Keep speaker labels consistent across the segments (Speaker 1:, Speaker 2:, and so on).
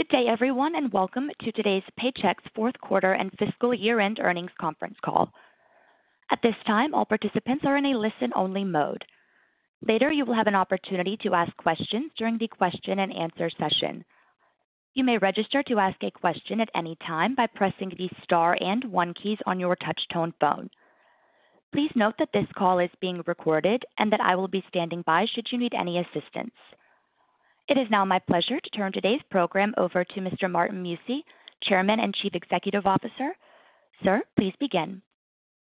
Speaker 1: Good day, everyone, and welcome to today's Paychex fourth quarter and fiscal year-end earnings conference call. At this time, all participants are in a listen-only mode. Later, you will have an opportunity to ask questions during the question-and-answer session. You may register to ask a question at any time by pressing the star and one keys on your touch-tone phone. Please note that this call is being recorded and that I will be standing by should you need any assistance. It is now my pleasure to turn today's program over to Mr. Martin Mucci, Chairman and Chief Executive Officer. Sir, please begin.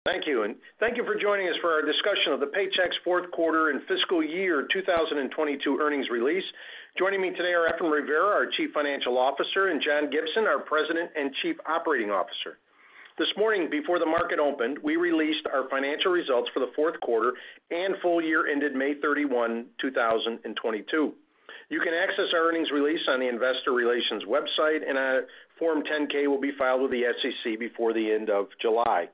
Speaker 2: Thank you, and thank you for joining us for our discussion of the Paychex fourth quarter and fiscal year 2022 earnings release. Joining me today are Efrain Rivera, our Chief Financial Officer, and John Gibson, our President and Chief Operating Officer. This morning, before the market opened, we released our financial results for the fourth quarter and full year ended May 31, 2022. You can access our earnings release on the investor relations website, and a Form 10-K will be filed with the SEC before the end of July.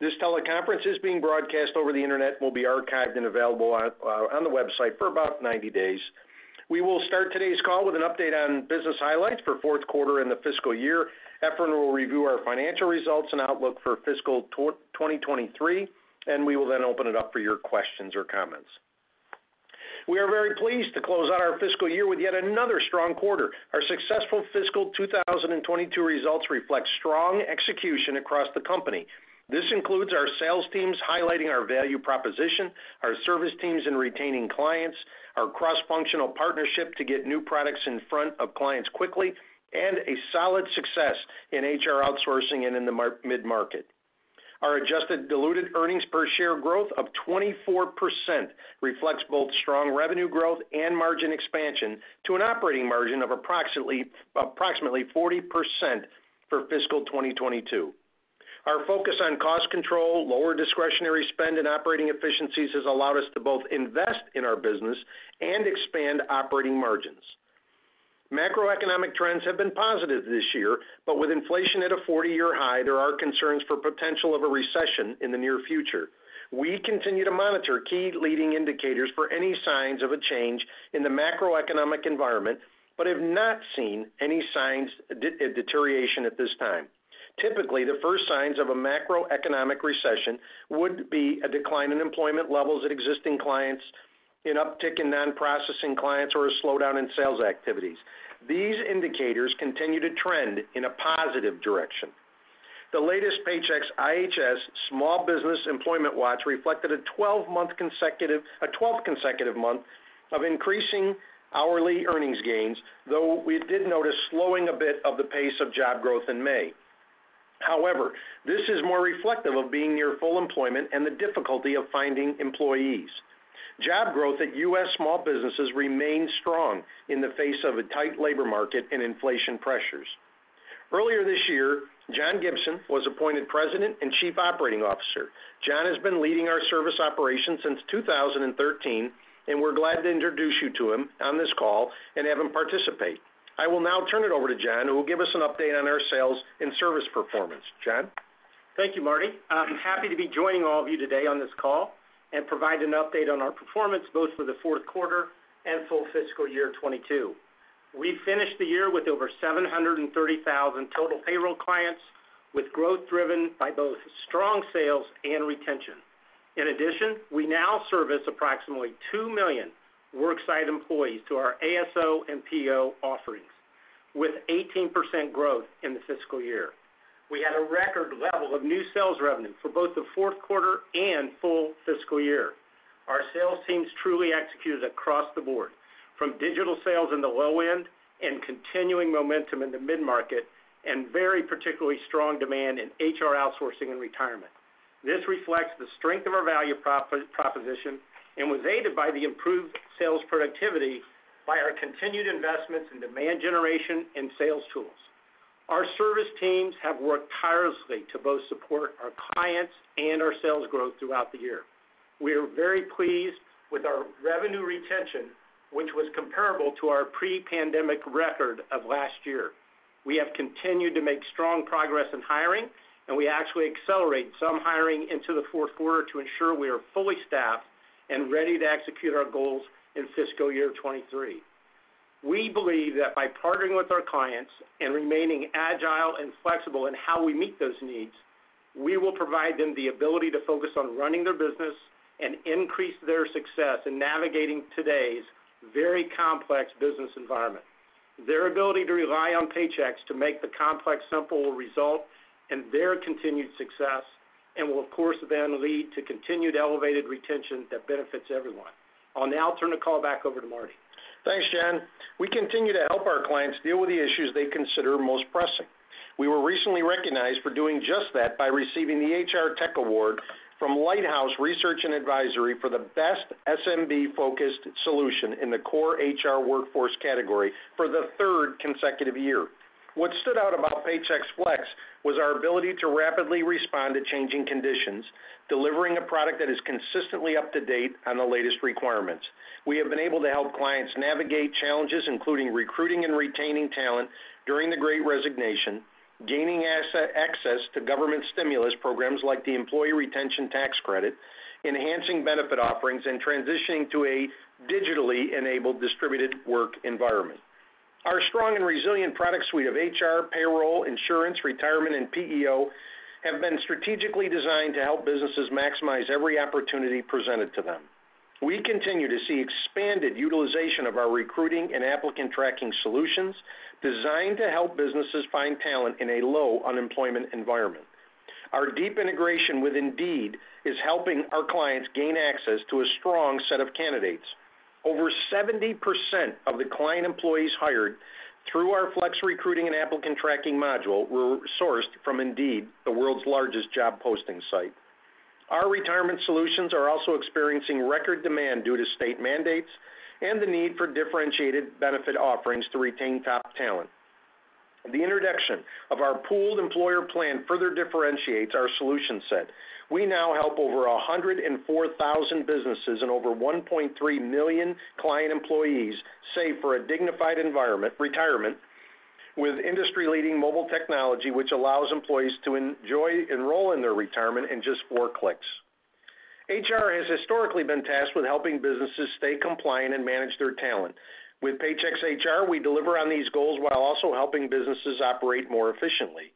Speaker 2: This teleconference is being broadcast over the Internet and will be archived and available on the website for about 90 days. We will start today's call with an update on business highlights for fourth quarter and the fiscal year. Efrain will review our financial results and outlook for fiscal 2023, and we will then open it up for your questions or comments. We are very pleased to close out our fiscal year with yet another strong quarter. Our successful fiscal 2022 results reflect strong execution across the company. This includes our sales teams highlighting our value proposition, our service teams in retaining clients, our cross-functional partnership to get new products in front of clients quickly, and a solid success in HR outsourcing and in the mid-market. Our adjusted diluted earnings per share growth of 24% reflects both strong revenue growth and margin expansion to an operating margin of approximately 40% for fiscal 2022. Our focus on cost control, lower discretionary spend, and operating efficiencies has allowed us to both invest in our business and expand operating margins. Macroeconomic trends have been positive this year, but with inflation at a 40-year high, there are concerns for potential of a recession in the near future. We continue to monitor key leading indicators for any signs of a change in the macroeconomic environment, but have not seen any signs of deterioration at this time. Typically, the first signs of a macroeconomic recession would be a decline in employment levels at existing clients, an uptick in non-processing clients, or a slowdown in sales activities. These indicators continue to trend in a positive direction. The latest Paychex IHS Markit Small Business Employment Watch reflected 12 consecutive months of increasing hourly earnings gains, though we did notice a bit of slowing in the pace of job growth in May. However, this is more reflective of being near full employment and the difficulty of finding employees. Job growth at U.S. small businesses remains strong in the face of a tight labor market and inflation pressures. Earlier this year, John Gibson was appointed President and Chief Operating Officer. John has been leading our service operations since 2013, and we're glad to introduce you to him on this call and have him participate. I will now turn it over to John, who will give us an update on our sales and service performance. John?
Speaker 3: Thank you, Marty. I'm happy to be joining all of you today on this call and provide an update on our performance both for the fourth quarter and full fiscal year 2022. We finished the year with over 730,000 total payroll clients, with growth driven by both strong sales and retention. In addition, we now service approximately 2 million worksite employees to our ASO and PEO offerings, with 18% growth in the fiscal year. We had a record level of new sales revenue for both the fourth quarter and full fiscal year. Our sales teams truly executed across the board, from digital sales in the low end and continuing momentum in the mid-market, and very particularly strong demand in HR outsourcing and retirement. This reflects the strength of our value proposition and was aided by the improved sales productivity by our continued investments in demand generation and sales tools. Our service teams have worked tirelessly to both support our clients and our sales growth throughout the year. We are very pleased with our revenue retention, which was comparable to our pre-pandemic record of last year. We have continued to make strong progress in hiring, and we actually accelerate some hiring into the fourth quarter to ensure we are fully staffed and ready to execute our goals in fiscal year 2023. We believe that by partnering with our clients and remaining agile and flexible in how we meet those needs, we will provide them the ability to focus on running their business and increase their success in navigating today's very complex business environment. Their ability to rely on Paychex to make the complex simple will result in their continued success and will, of course, then lead to continued elevated retention that benefits everyone. I'll now turn the call back over to Marty.
Speaker 2: Thanks, John. We continue to help our clients deal with the issues they consider most pressing. We were recently recognized for doing just that by receiving the HR Tech Award from Lighthouse Research & Advisory for the best SMB-focused solution in the core HR workforce category for the third consecutive year. What stood out about Paychex Flex was our ability to rapidly respond to changing conditions, delivering a product that is consistently up to date on the latest requirements. We have been able to help clients navigate challenges, including recruiting and retaining talent during the great resignation, gaining access to government stimulus programs like the Employee Retention Credit, enhancing benefit offerings, and transitioning to a digitally enabled distributed work environment. Our strong and resilient product suite of HR, payroll, insurance, retirement, and PEO have been strategically designed to help businesses maximize every opportunity presented to them. We continue to see expanded utilization of our recruiting and applicant tracking solutions designed to help businesses find talent in a low unemployment environment. Our deep integration with Indeed is helping our clients gain access to a strong set of candidates. Over 70% of the client employees hired through our Flex recruiting and applicant tracking module were sourced from Indeed, the world's largest job posting site. Our retirement solutions are also experiencing record demand due to state mandates and the need for differentiated benefit offerings to retain top talent. The introduction of our Pooled Employer Plan further differentiates our solution set. We now help over 104,000 businesses and over 1.3 million client employees save for a dignified retirement with industry-leading mobile technology, which allows employees to enroll in their retirement in just four clicks. HR has historically been tasked with helping businesses stay compliant and manage their talent. With Paychex HR, we deliver on these goals while also helping businesses operate more efficiently.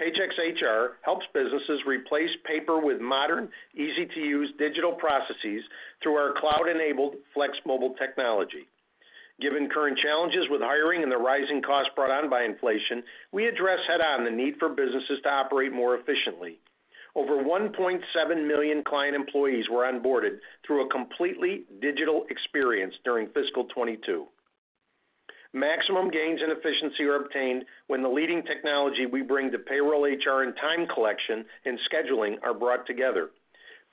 Speaker 2: Paychex HR helps businesses replace paper with modern, easy-to-use digital processes through our cloud-enabled Flex mobile technology. Given current challenges with hiring and the rising costs brought on by inflation, we address head-on the need for businesses to operate more efficiently. Over 1.7 million client employees were onboarded through a completely digital experience during fiscal 2022. Maximum gains and efficiency are obtained when the leading technology we bring to payroll HR and time collection and scheduling are brought together.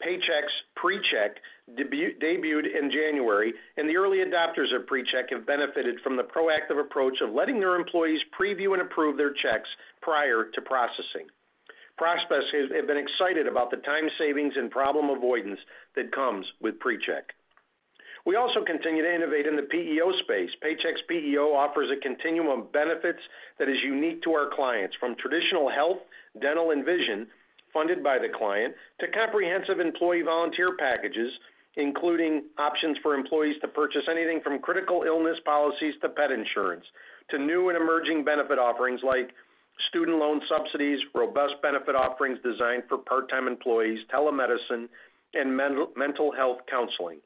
Speaker 2: Paychex PreCheck debuted in January, and the early adopters of PreCheck have benefited from the proactive approach of letting their employees preview and approve their checks prior to processing. Prospects have been excited about the time savings and problem avoidance that comes with PreCheck. We also continue to innovate in the PEO space. Paychex PEO offers a continuum of benefits that is unique to our clients, from traditional health, dental, and vision funded by the client to comprehensive employee volunteer packages, including options for employees to purchase anything from critical illness policies to pet insurance, to new and emerging benefit offerings like student loan subsidies, robust benefit offerings designed for part-time employees, telemedicine, and mental health counseling.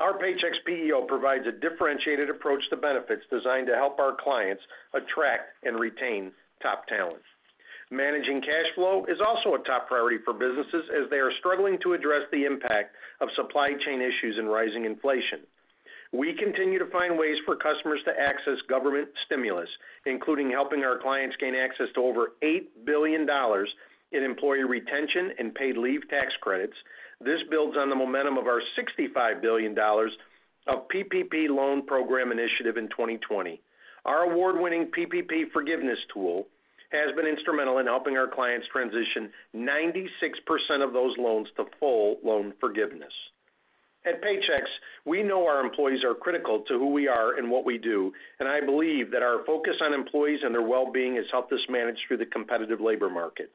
Speaker 2: Our Paychex PEO provides a differentiated approach to benefits designed to help our clients attract and retain top talent. Managing cash flow is also a top priority for businesses as they are struggling to address the impact of supply chain issues and rising inflation. We continue to find ways for customers to access government stimulus, including helping our clients gain access to over $8 billion in employee retention and paid leave tax credits. This builds on the momentum of our $65 billion of PPP loan program initiative in 2020. Our award-winning PPP forgiveness tool has been instrumental in helping our clients transition 96% of those loans to full loan forgiveness. At Paychex, we know our employees are critical to who we are and what we do, and I believe that our focus on employees and their well-being has helped us manage through the competitive labor market.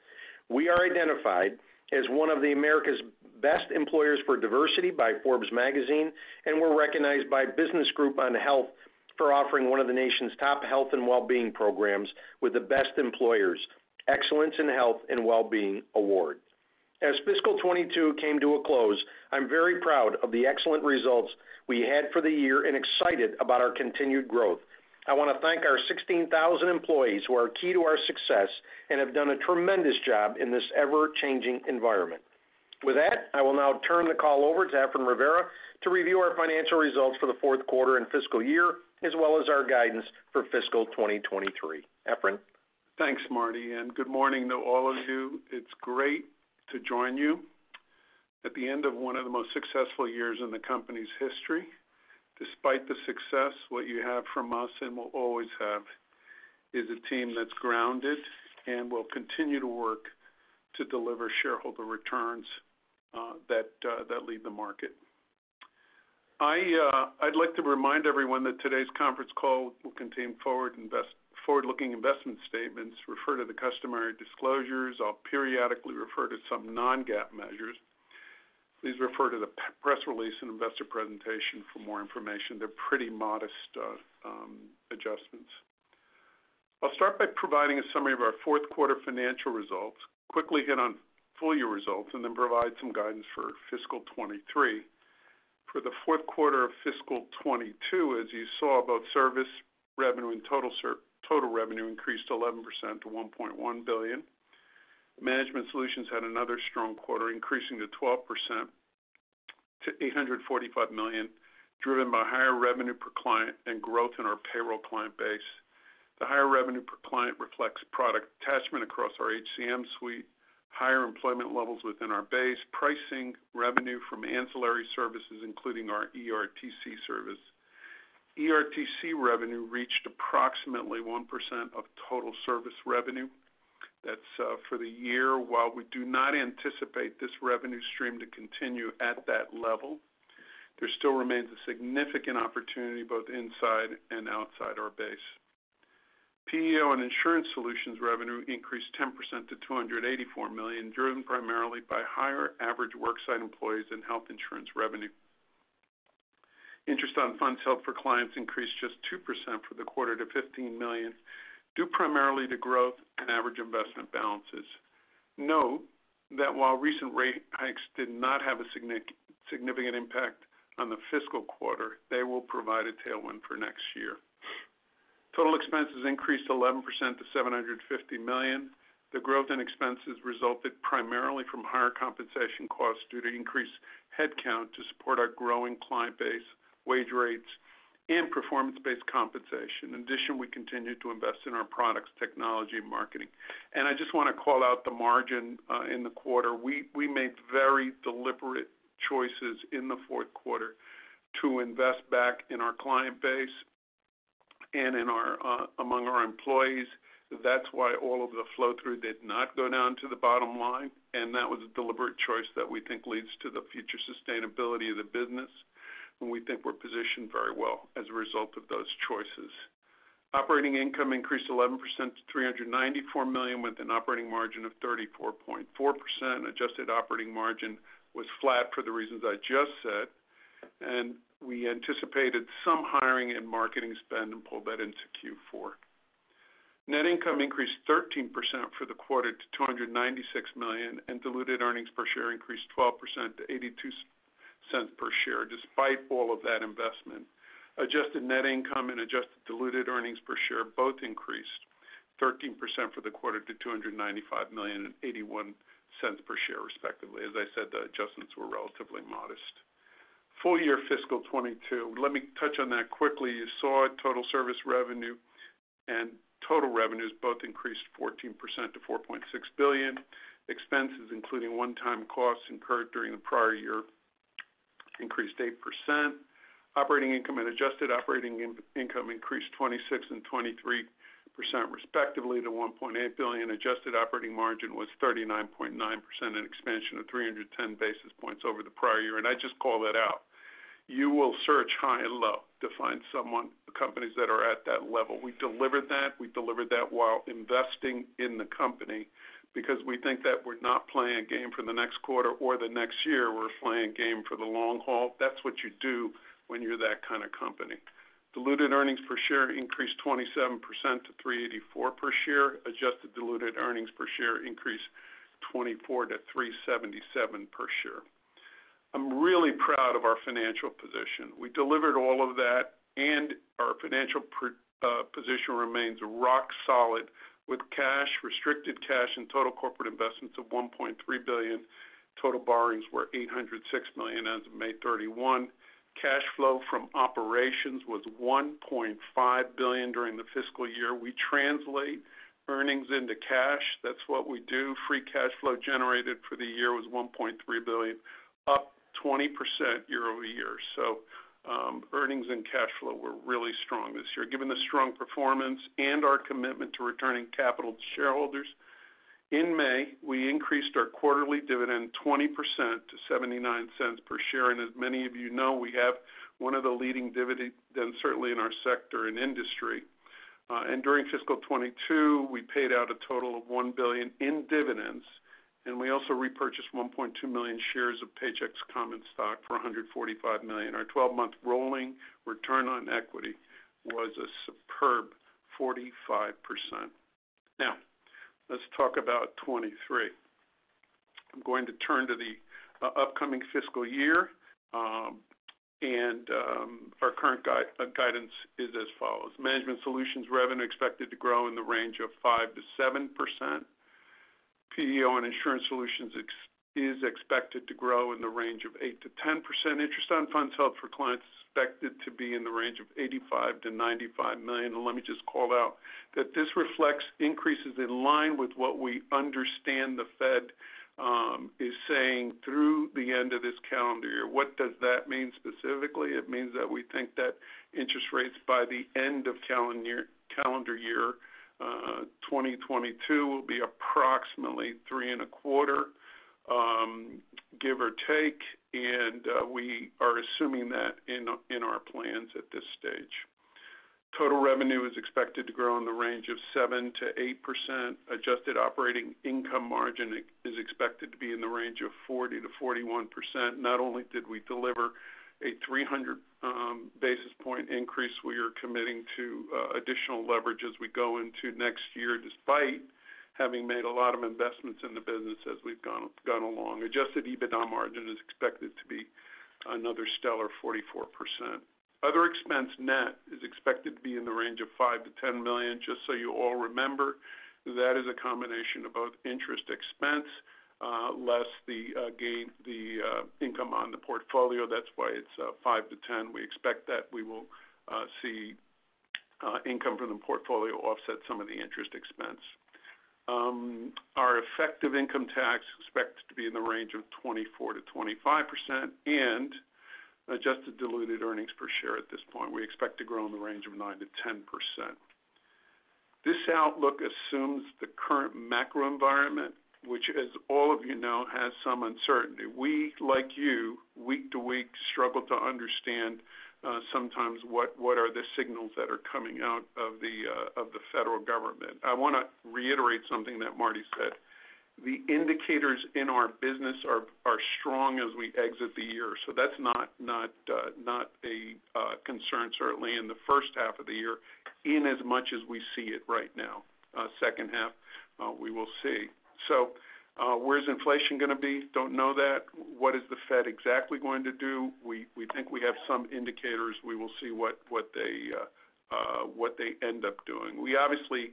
Speaker 2: We are identified as one of America's best employers for diversity by Forbes Magazine, and we're recognized by Business Group on Health for offering one of the nation's top health and well-being programs with the Best Employers Excellence in Health and Well-being Award. As fiscal 2022 came to a close, I'm very proud of the excellent results we had for the year and excited about our continued growth. I wanna thank our 16,000 employees who are key to our success and have done a tremendous job in this ever-changing environment. With that, I will now turn the call over to Efrain Rivera to review our financial results for the fourth quarter and fiscal year, as well as our guidance for fiscal 2023. Efrain?
Speaker 4: Thanks, Marty, and good morning to all of you. It's great to join you at the end of one of the most successful years in the company's history. Despite the success, what you have from us and will always have is a team that's grounded and will continue to work to deliver shareholder returns that lead the market. I'd like to remind everyone that today's conference call will contain forward-looking statements. Refer to the customary disclosures. I'll periodically refer to some non-GAAP measures. Please refer to the press release and investor presentation for more information. They're pretty modest adjustments. I'll start by providing a summary of our fourth quarter financial results, quickly hit on full year results, and then provide some guidance for fiscal 2023. For the fourth quarter of fiscal 2022, as you saw, both service revenue and total revenue increased 11% to $1.1 billion. Management Solutions had another strong quarter, increasing 12% to $845 million, driven by higher revenue per client and growth in our payroll client base. The higher revenue per client reflects product attachment across our HCM suite, higher employment levels within our base, pricing revenue from ancillary services, including our ERTC service. ERTC revenue reached approximately 1% of total service revenue. That's for the year. While we do not anticipate this revenue stream to continue at that level, there still remains a significant opportunity both inside and outside our base. PEO and insurance solutions revenue increased 10% to $284 million, driven primarily by higher average worksite employees and health insurance revenue. Interest on funds held for clients increased just 2% for the quarter to $15 million, due primarily to growth and average investment balances. Note that while recent rate hikes did not have a significant impact on the fiscal quarter, they will provide a tailwind for next year. Total expenses increased 11% to $750 million. The growth in expenses resulted primarily from higher compensation costs due to increased headcount to support our growing client base, wage rates, and performance-based compensation. In addition, we continued to invest in our products, technology, and marketing. I just wanna call out the margin in the quarter. We made very deliberate choices in the fourth quarter to invest back in our client base and in our, among our employees. That's why all of the flow-through did not go down to the bottom line, and that was a deliberate choice that we think leads to the future sustainability of the business, and we think we're positioned very well as a result of those choices. Operating income increased 11% to $394 million, with an operating margin of 34.4%. Adjusted operating margin was flat for the reasons I just said, and we anticipated some hiring and marketing spend and pulled that into Q4. Net income increased 13% for the quarter to $296 million, and diluted earnings per share increased 12% to $0.82 per share, despite all of that investment. Adjusted net income and adjusted diluted earnings per share both increased 13% for the quarter to $295 million and $0.81 per share, respectively. As I said, the adjustments were relatively modest. Full year fiscal 2022, let me touch on that quickly. You saw total service revenue and total revenues both increased 14% to $4.6 billion. Expenses, including one-time costs incurred during the prior year, increased 8%. Operating income and adjusted operating income increased 26% and 23%, respectively, to $1.8 billion. Adjusted operating margin was 39.9%, an expansion of 310 basis points over the prior year, and I just call that out. You will search high and low to find someone, companies that are at that level. We delivered that. We delivered that while investing in the company because we think that we're not playing a game for the next quarter or the next year, we're playing a game for the long haul. That's what you do when you're that kind of company. Diluted earnings per share increased 27% to $3.84 per share. Adjusted diluted earnings per share increased 24% to $3.77 per share. I'm really proud of our financial position. We delivered all of that, and our financial position remains rock solid with cash, restricted cash, and total corporate investments of $1.3 billion. Total borrowings were $806 million as of May 31. Cash flow from operations was $1.5 billion during the fiscal year. We translate earnings into cash. That's what we do. Free cash flow generated for the year was $1.3 billion, up 20% year-over-year. Earnings and cash flow were really strong this year. Given the strong performance and our commitment to returning capital to shareholders, in May, we increased our quarterly dividend 20% to $0.79 per share. As many of you know, we have one of the leading dividends, certainly in our sector and industry. During fiscal 2022, we paid out a total of $1 billion in dividends, and we also repurchased 1.2 million shares of Paychex common stock for $145 million. Our 12-month rolling return on equity was a superb 45%. Now, let's talk about 2023. I'm going to turn to the upcoming fiscal year, and our current guidance is as follows. Management Solutions revenue expected to grow in the range of 5%-7%. PEO and Insurance Solutions is expected to grow in the range of 8%-10%. Interest on funds held for clients is expected to be in the range of $85 million-$95 million. Let me just call out that this reflects increases in line with what we understand the Fed is saying through the end of this calendar year. What does that mean specifically? It means that we think that interest rates by the end of calendar year 2022 will be approximately 3.25, give or take, and we are assuming that in our plans at this stage. Total revenue is expected to grow in the range of 7%-8%. Adjusted operating income margin ex-ERTC is expected to be in the range of 40%-41%. Not only did we deliver a 300 basis point increase, we are committing to additional leverage as we go into next year, despite having made a lot of investments in the business as we've gone along. Adjusted EBITDA margin is expected to be another stellar 44%. Other expense, net is expected to be in the range of $5 million-$10 million. Just so you all remember, that is a combination of both interest expense less the income on the portfolio. That's why it's $5-$10 million. We expect that we will see income from the portfolio offset some of the interest expense. Our effective income tax is expected to be in the range of 24%-25%, and adjusted diluted earnings per share at this point, we expect to grow in the range of 9%-10%. This outlook assumes the current macro environment, which, as all of you know, has some uncertainty. We, like you, week to week, struggle to understand sometimes what are the signals that are coming out of the federal government. I wanna reiterate something that Marty said. The indicators in our business are strong as we exit the year. That's not a concern certainly in the first half of the year, in as much as we see it right now. Second half, we will see. Where's inflation gonna be? Don't know that. What is the Fed exactly going to do? We think we have some indicators. We will see what they end up doing. We obviously,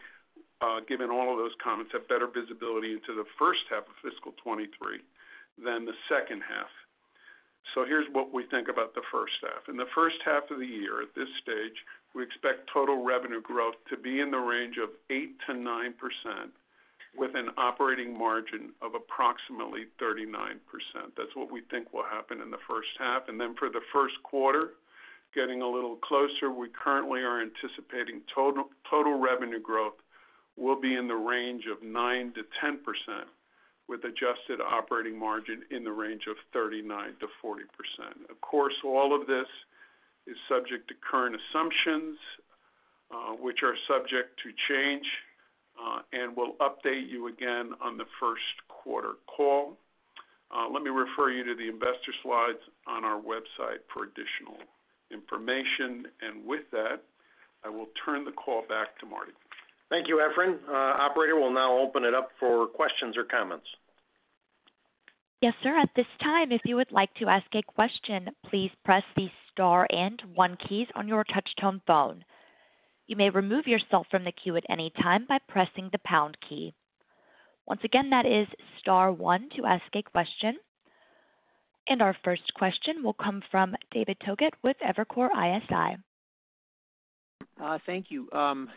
Speaker 4: given all of those comments, have better visibility into the first half of fiscal 2023 than the second half. Here's what we think about the first half. In the first half of the year, at this stage, we expect total revenue growth to be in the range of 8%-9% with an operating margin of approximately 39%. That's what we think will happen in the first half. Then for the first quarter, getting a little closer, we currently are anticipating total revenue growth will be in the range of 9%-10% with adjusted operating margin in the range of 39%-40%. Of course, all of this is subject to current assumptions, which are subject to change. We'll update you again on the first quarter call. Let me refer you to the investor slides on our website for additional information. With that, I will turn the call back to Marty.
Speaker 2: Thank you, Efrain. Operator, we'll now open it up for questions or comments.
Speaker 1: Yes, sir. At this time, if you would like to ask a question, please press the star and one keys on your touch tone phone. You may remove yourself from the queue at any time by pressing the pound key. Once again, that is star one to ask a question. Our first question will come from David Togut with Evercore ISI.
Speaker 5: Thank you.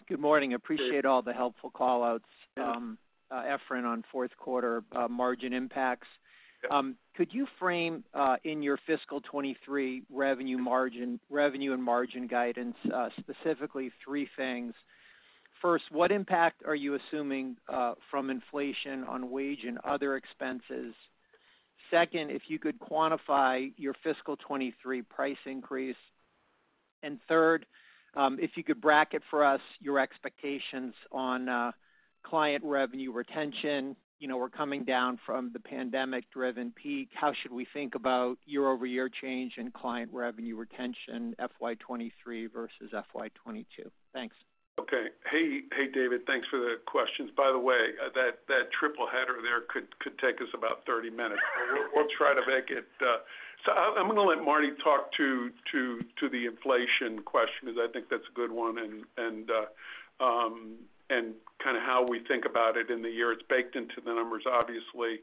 Speaker 5: Good morning. Appreciate all the helpful call-outs, Efrain, on fourth quarter margin impacts. Could you frame in your fiscal 2023 revenue and margin guidance, specifically three things. First, what impact are you assuming from inflation on wage and other expenses? Second, if you could quantify your fiscal 2023 price increase. Third, if you could bracket for us your expectations on client revenue retention. You know, we're coming down from the pandemic-driven peak. How should we think about year-over-year change in client revenue retention FY 2023 versus FY 2022? Thanks.
Speaker 4: Okay. Hey, David, thanks for the questions. By the way, that triple header there could take us about 30 minutes. We'll try to make it. I'm gonna let Marty talk to the inflation question because I think that's a good one and kind of how we think about it in the year. It's baked into the numbers, obviously.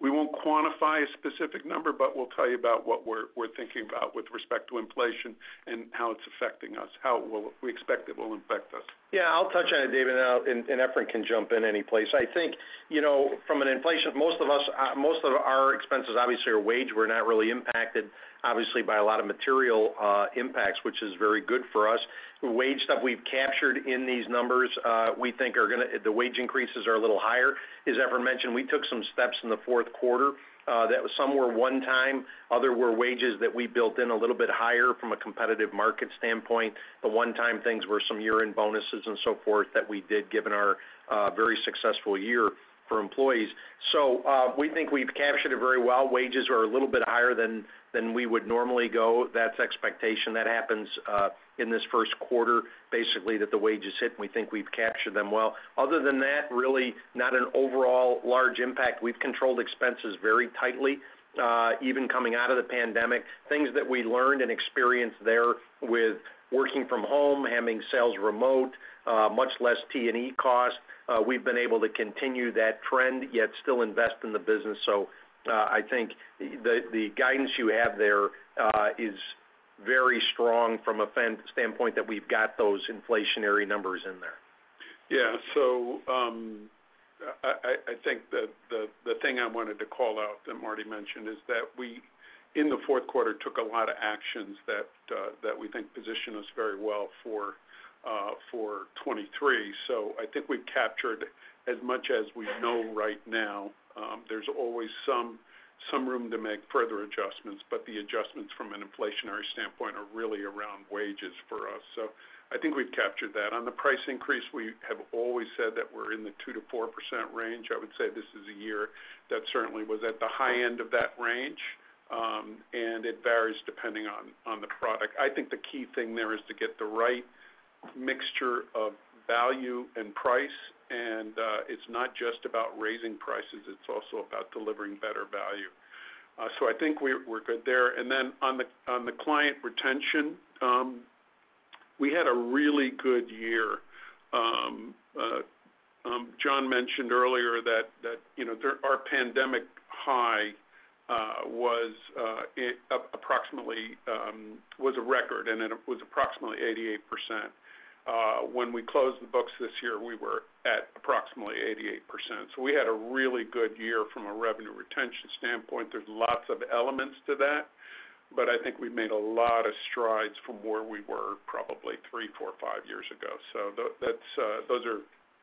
Speaker 4: We won't quantify a specific number, but we'll tell you about what we're thinking about with respect to inflation and how it's affecting us, how we expect it will impact us.
Speaker 2: Yeah, I'll touch on it, David, now, and Efrain can jump in any place. I think, you know, from an inflation, most of our expenses obviously are wage. We're not really impacted obviously by a lot of material impacts, which is very good for us. The wage stuff we've captured in these numbers, we think the wage increases are a little higher. As Efrain mentioned, we took some steps in the fourth quarter that some were one time, other were wages that we built in a little bit higher from a competitive market standpoint. The one-time things were some year-end bonuses and so forth that we did given our very successful year for employees. We think we've captured it very well. Wages are a little bit higher than we would normally go. That's expectation. That happens in this first quarter, basically, that the wages hit, and we think we've captured them well. Other than that, really not an overall large impact. We've controlled expenses very tightly, even coming out of the pandemic. Things that we learned and experienced there with working from home, having sales remote, much less T&E costs. We've been able to continue that trend, yet still invest in the business. I think the guidance you have there is very strong from a financial standpoint that we've got those inflationary numbers in there.
Speaker 4: Yeah. I think the thing I wanted to call out that Marty mentioned is that we in the fourth quarter took a lot of actions that we think position us very well for 2023. I think we've captured as much as we know right now. There's always some room to make further adjustments, but the adjustments from an inflationary standpoint are really around wages for us. I think we've captured that. On the price increase, we have always said that we're in the 2%-4% range. I would say this is a year that certainly was at the high end of that range, and it varies depending on the product. I think the key thing there is to get the right mixture of value and price, and it's not just about raising prices, it's also about delivering better value. I think we're good there. On the client retention, we had a really good year. John mentioned earlier that you know, our pandemic high was approximately a record, and it was approximately 88%. When we closed the books this year, we were at approximately 88%. We had a really good year from a revenue retention standpoint. There's lots of elements to that, but I think we've made a lot of strides from where we were probably three, four, five years ago. That's those are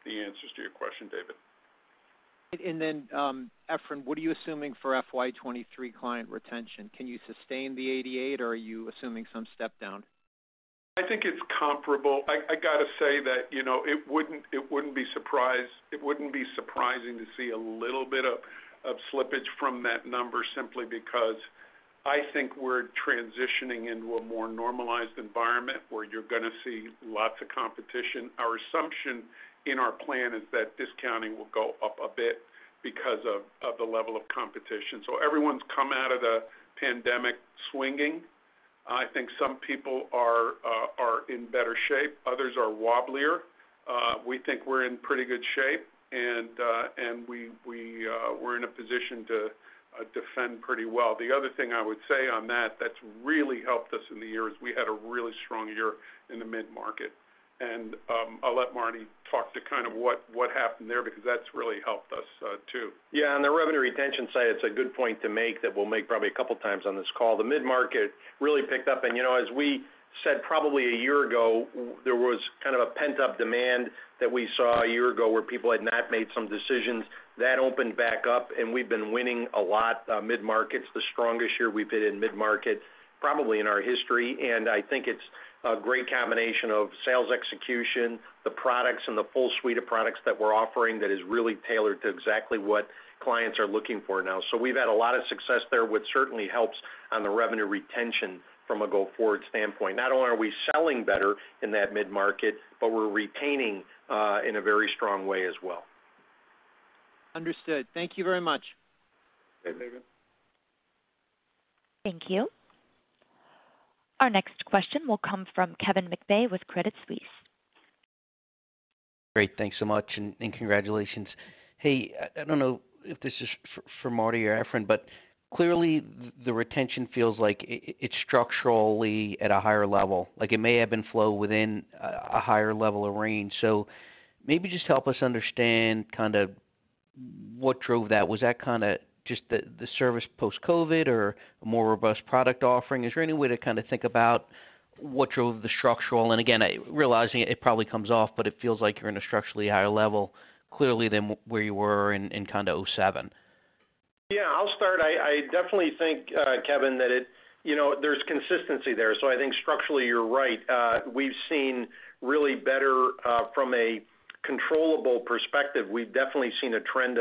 Speaker 4: the answers to your question, David.
Speaker 5: Efrain, what are you assuming for FY 2023 client retention? Can you sustain the 88%, or are you assuming some step down?
Speaker 4: I think it's comparable. I gotta say that, you know, it wouldn't be surprising to see a little bit of slippage from that number simply because I think we're transitioning into a more normalized environment where you're gonna see lots of competition. Our assumption in our plan is that discounting will go up a bit because of the level of competition. Everyone's come out of the pandemic swinging. I think some people are in better shape, others are wobblier. We think we're in pretty good shape, and we we're in a position to defend pretty well. The other thing I would say on that's really helped us in the year is we had a really strong year in the mid-market. I'll let Marty talk to kind of what happened there because that's really helped us, too.
Speaker 2: Yeah. On the revenue retention side, it's a good point to make that we'll make probably a couple times on this call. The mid-market really picked up. You know, as we said probably a year ago, there was kind of a pent-up demand that we saw a year ago where people had not made some decisions. That opened back up, and we've been winning a lot, mid-markets. The strongest year we've been in mid-market probably in our history. I think it's a great combination of sales execution, the products and the full suite of products that we're offering that is really tailored to exactly what clients are looking for now. We've had a lot of success there, which certainly helps on the revenue retention from a go-forward standpoint. Not only are we selling better in that mid-market, but we're retaining in a very strong way as well.
Speaker 5: Understood. Thank you very much.
Speaker 4: Okay. Thank you.
Speaker 1: Thank you. Our next question will come from Kevin McVeigh with Credit Suisse.
Speaker 6: Great. Thanks so much, and congratulations. Hey, I don't know if this is for Martin or Efrain, but clearly the retention feels like it's structurally at a higher level. Like it may ebb and flow within a higher level of range. Maybe just help us understand kind of what drove that. Was that kinda just the service post-COVID or a more robust product offering? Is there any way to kinda think about what drove the structural? Again, realizing it probably comes off, but it feels like you're in a structurally higher level clearly than where you were in kinda 2007.
Speaker 2: Yeah. I'll start. I definitely think, Kevin, that it. You know, there's consistency there. I think structurally you're right. We've seen really better from a controllable perspective. We've definitely seen a trend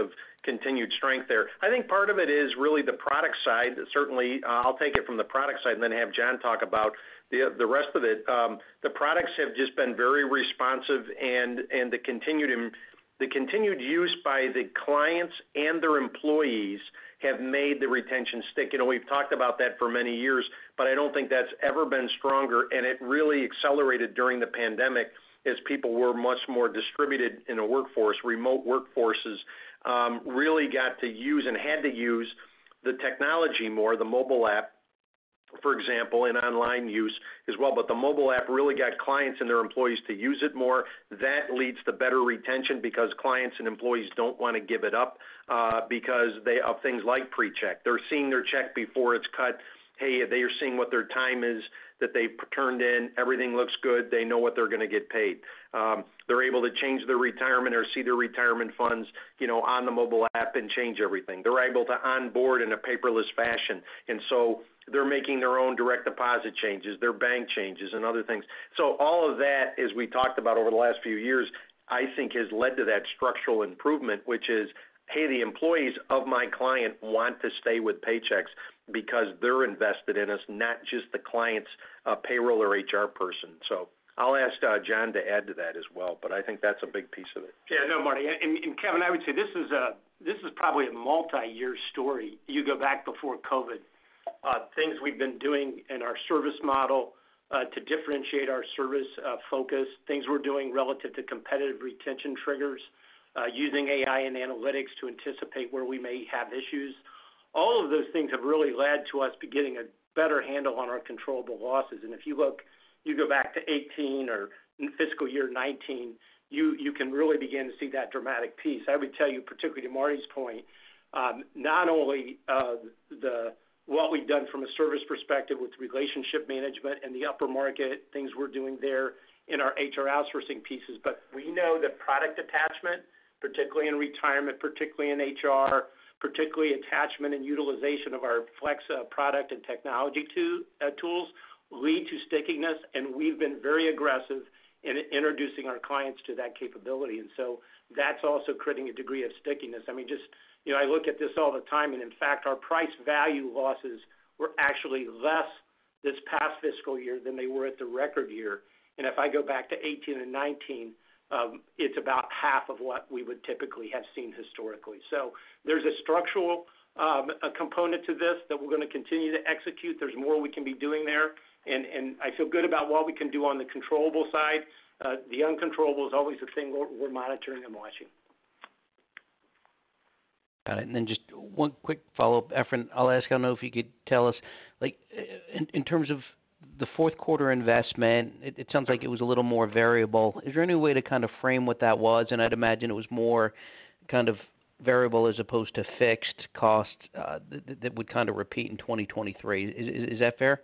Speaker 2: of continued strength there. I think part of it is really the product side. Certainly, I'll take it from the product side and then have Jon talk about the rest of it. The products have just been very responsive and the continued use by the clients and their employees have made the retention stick. You know, we've talked about that for many years, but I don't think that's ever been stronger, and it really accelerated during the pandemic as people were much more distributed in the workforce. Remote workforces really got to use and had to use the technology more, the mobile app, for example, and online use as well. The mobile app really got clients and their employees to use it more. That leads to better retention because clients and employees don't wanna give it up because they have things like PreCheck. They're seeing their check before it's cut. Hey, they are seeing what their time is that they've turned in. Everything looks good. They know what they're gonna get paid. They're able to change their retirement or see their retirement funds, you know, on the mobile app and change everything. They're able to onboard in a paperless fashion. They're making their own direct deposit changes, their bank changes and other things. All of that, as we talked about over the last few years, I think has led to that structural improvement, which is, hey, the employees of my client want to stay with Paychex because they're invested in us, not just the client's payroll or HR person. I'll ask Jon to add to that as well, but I think that's a big piece of it.
Speaker 3: Yeah. No, Marty and Kevin, I would say this is probably a multi-year story. You go back before COVID, things we've been doing in our service model to differentiate our service focus, things we're doing relative to competitive retention triggers, using AI and analytics to anticipate where we may have issues. All of those things have really led to us be getting a better handle on our controllable losses. If you look, you go back to 2018 or fiscal year 2019, you can really begin to see that dramatic piece. I would tell you, particularly to Marty's point, not only what we've done from a service perspective with relationship management and the upper market, things we're doing there in our HR outsourcing pieces, but we know that product attachment, particularly in retirement, particularly in HR, particularly attachment and utilization of our Flex product and technology tools lead to stickiness, and we've been very aggressive in introducing our clients to that capability. That's also creating a degree of stickiness. I mean, just. You know, I look at this all the time, and in fact, our price-value losses were actually less this past fiscal year than they were at the record year. If I go back to 2018 and 2019, it's about half of what we would typically have seen historically. There's a structural component to this that we're gonna continue to execute. There's more we can be doing there, and I feel good about what we can do on the controllable side. The uncontrollable is always a thing we're monitoring and watching.
Speaker 6: Got it. Just one quick follow-up. Efrain, I'll ask, I don't know if you could tell us, like in terms of the fourth quarter investment, it sounds like it was a little more variable. Is there any way to kinda frame what that was? I'd imagine it was more kind of variable as opposed to fixed costs, that would kinda repeat in 2023. Is that fair?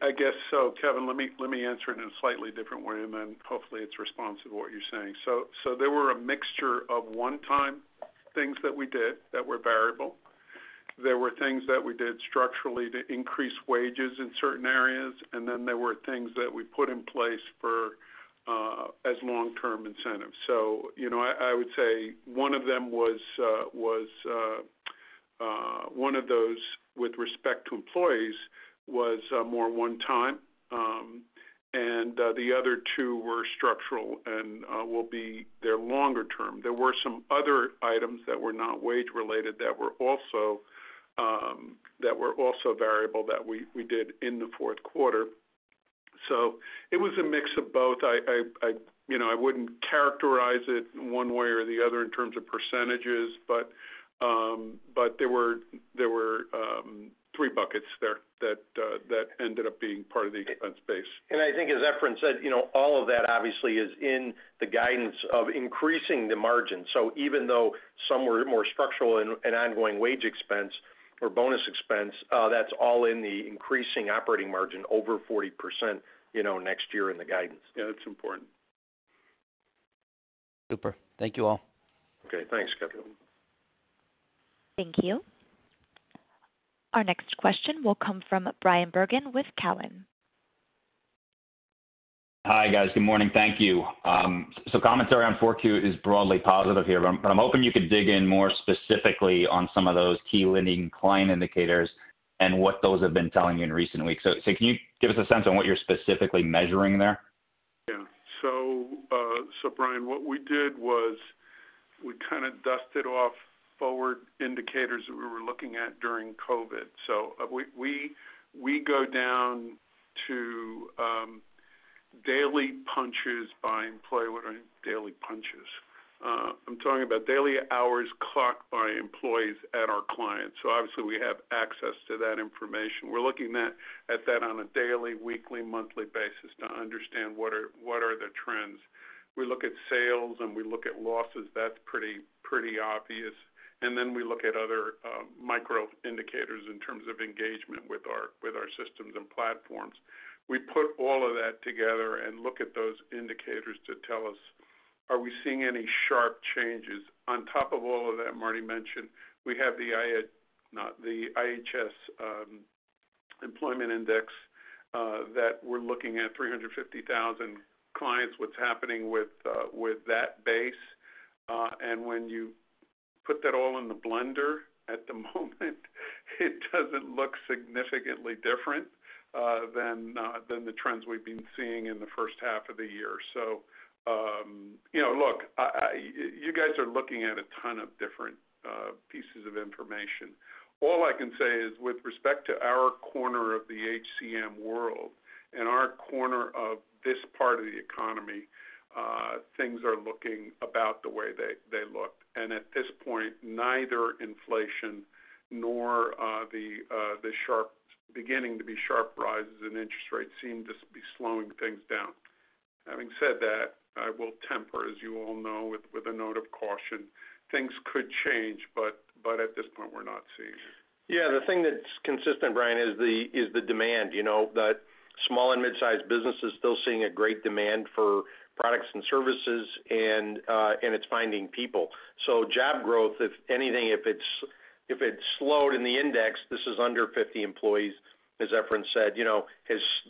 Speaker 4: I guess so. Kevin, let me answer it in a slightly different way, and then hopefully it's responsive to what you're saying. There were a mixture of one-time things that we did that were variable. There were things that we did structurally to increase wages in certain areas, and then there were things that we put in place for as long-term incentives. You know, I would say one of them was one of those with respect to employees was more one time, and the other two were structural and will be there longer term. There were some other items that were not wage related that were also variable that we did in the fourth quarter. It was a mix of both. I, you know, I wouldn't characterize it one way or the other in terms of percentages, but there were three buckets there that ended up being part of the expense base.
Speaker 2: I think as Efrain said, you know, all of that obviously is in the guidance of increasing the margin. Even though some were more structural and ongoing wage expense or bonus expense, that's all in the increasing operating margin over 40%, you know, next year in the guidance.
Speaker 4: Yeah, that's important.
Speaker 6: Super. Thank you all.
Speaker 4: Okay, thanks, Scott.
Speaker 1: Thank you. Our next question will come from Bryan Bergin with Cowen.
Speaker 7: Hi, guys. Good morning. Thank you. Commentary on Q4 is broadly positive here, but I'm hoping you could dig in more specifically on some of those key leading client indicators and what those have been telling you in recent weeks. Can you give us a sense on what you're specifically measuring there?
Speaker 4: Yeah. Bryan, what we did was we kind of dusted off forward indicators that we were looking at during COVID. We go down to daily punches by employee. What are daily punches? I'm talking about daily hours clocked by employees at our clients. Obviously we have access to that information. We're looking at that on a daily, weekly, monthly basis to understand what are the trends. We look at sales, and we look at losses. That's pretty obvious. Then we look at other micro indicators in terms of engagement with our systems and platforms. We put all of that together and look at those indicators to tell us are we seeing any sharp changes. On top of all of that, Martin mentioned we have the I... Not the IHS employment index that we're looking at 350,000 clients, what's happening with that base. When you put that all in the blender, at the moment it doesn't look significantly different than the trends we've been seeing in the first half of the year. You know, look, you guys are looking at a ton of different pieces of information. All I can say is with respect to our corner of the HCM world and our corner of this part of the economy, things are looking about the way they looked. At this point, neither inflation nor the beginning to be sharp rises in interest rates seem to be slowing things down. Having said that, I will temper, as you all know, with a note of caution. Things could change, but at this point, we're not seeing it.
Speaker 2: Yeah. The thing that's consistent, Bryan, is the demand, you know, that small and mid-sized businesses still seeing a great demand for products and services and it's finding people. So job growth, if anything, if it's slowed in the index, this is under 50 employees, as Efrain said, you know,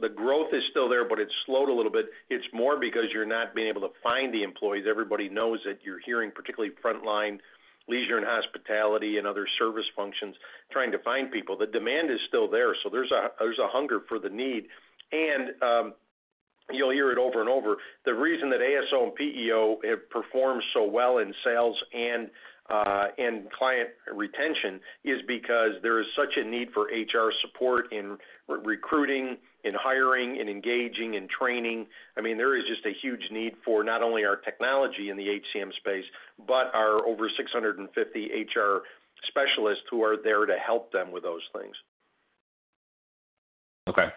Speaker 2: the growth is still there, but it's slowed a little bit. It's more because you're not being able to find the employees. Everybody knows that you're hearing, particularly frontline leisure and hospitality and other service functions, trying to find people. The demand is still there, so there's a hunger for the need. You'll hear it over and over. The reason that ASO and PEO have performed so well in sales and in client retention is because there is such a need for HR support in recruiting, in hiring, in engaging, in training. I mean, there is just a huge need for not only our technology in the HCM space, but our over 650 HR specialists who are there to help them with those things.
Speaker 7: Okay.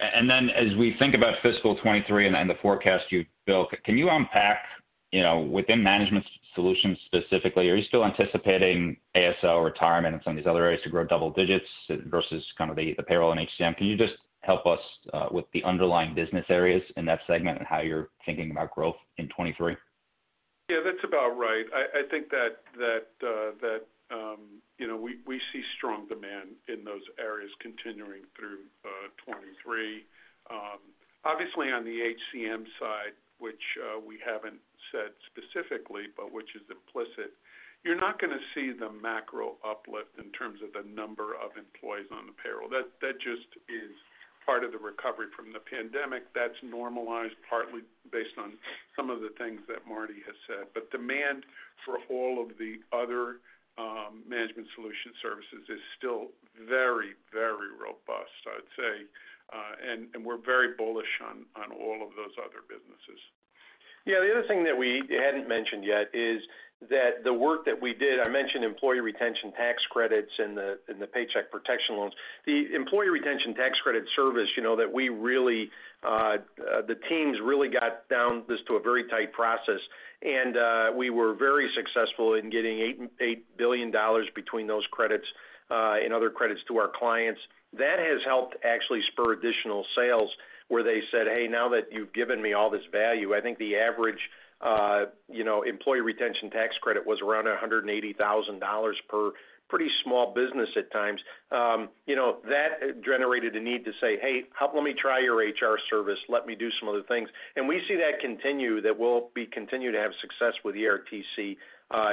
Speaker 7: As we think about fiscal 2023 and the forecast you built, can you unpack, you know, within management solutions specifically, are you still anticipating ASO retirement and some of these other areas to grow double digits versus kind of the payroll and HCM? Can you just help us with the underlying business areas in that segment and how you're thinking about growth in 2023?
Speaker 4: Yeah, that's about right. I think that you know we see strong demand in those areas continuing through 2023. Obviously on the HCM side, which we haven't said specifically, but which is implicit, you're not gonna see the macro uplift in terms of the number of employees on the payroll. That just is part of the recovery from the pandemic that's normalized partly based on some of the things that Marty has said. Demand for all of the other management solution services is still very, very robust, I'd say. We're very bullish on all of those other businesses.
Speaker 2: The other thing that we hadn't mentioned yet is that the work that we did. I mentioned Employee Retention Tax Credits and the paycheck protection loans. The Employee Retention Tax Credit service, you know, that we really, the teams really got this down to a very tight process, and we were very successful in getting $8 billion between those credits and other credits to our clients. That has helped actually spur additional sales where they said, "Hey, now that you've given me all this value." I think the average, you know, Employee Retention Tax Credit was around $180,000 per pretty small business at times. You know, that generated a need to say, "Hey, help me try your HR service. Let me do some other things. We see that continue, that we'll be continuing to have success with the ERTC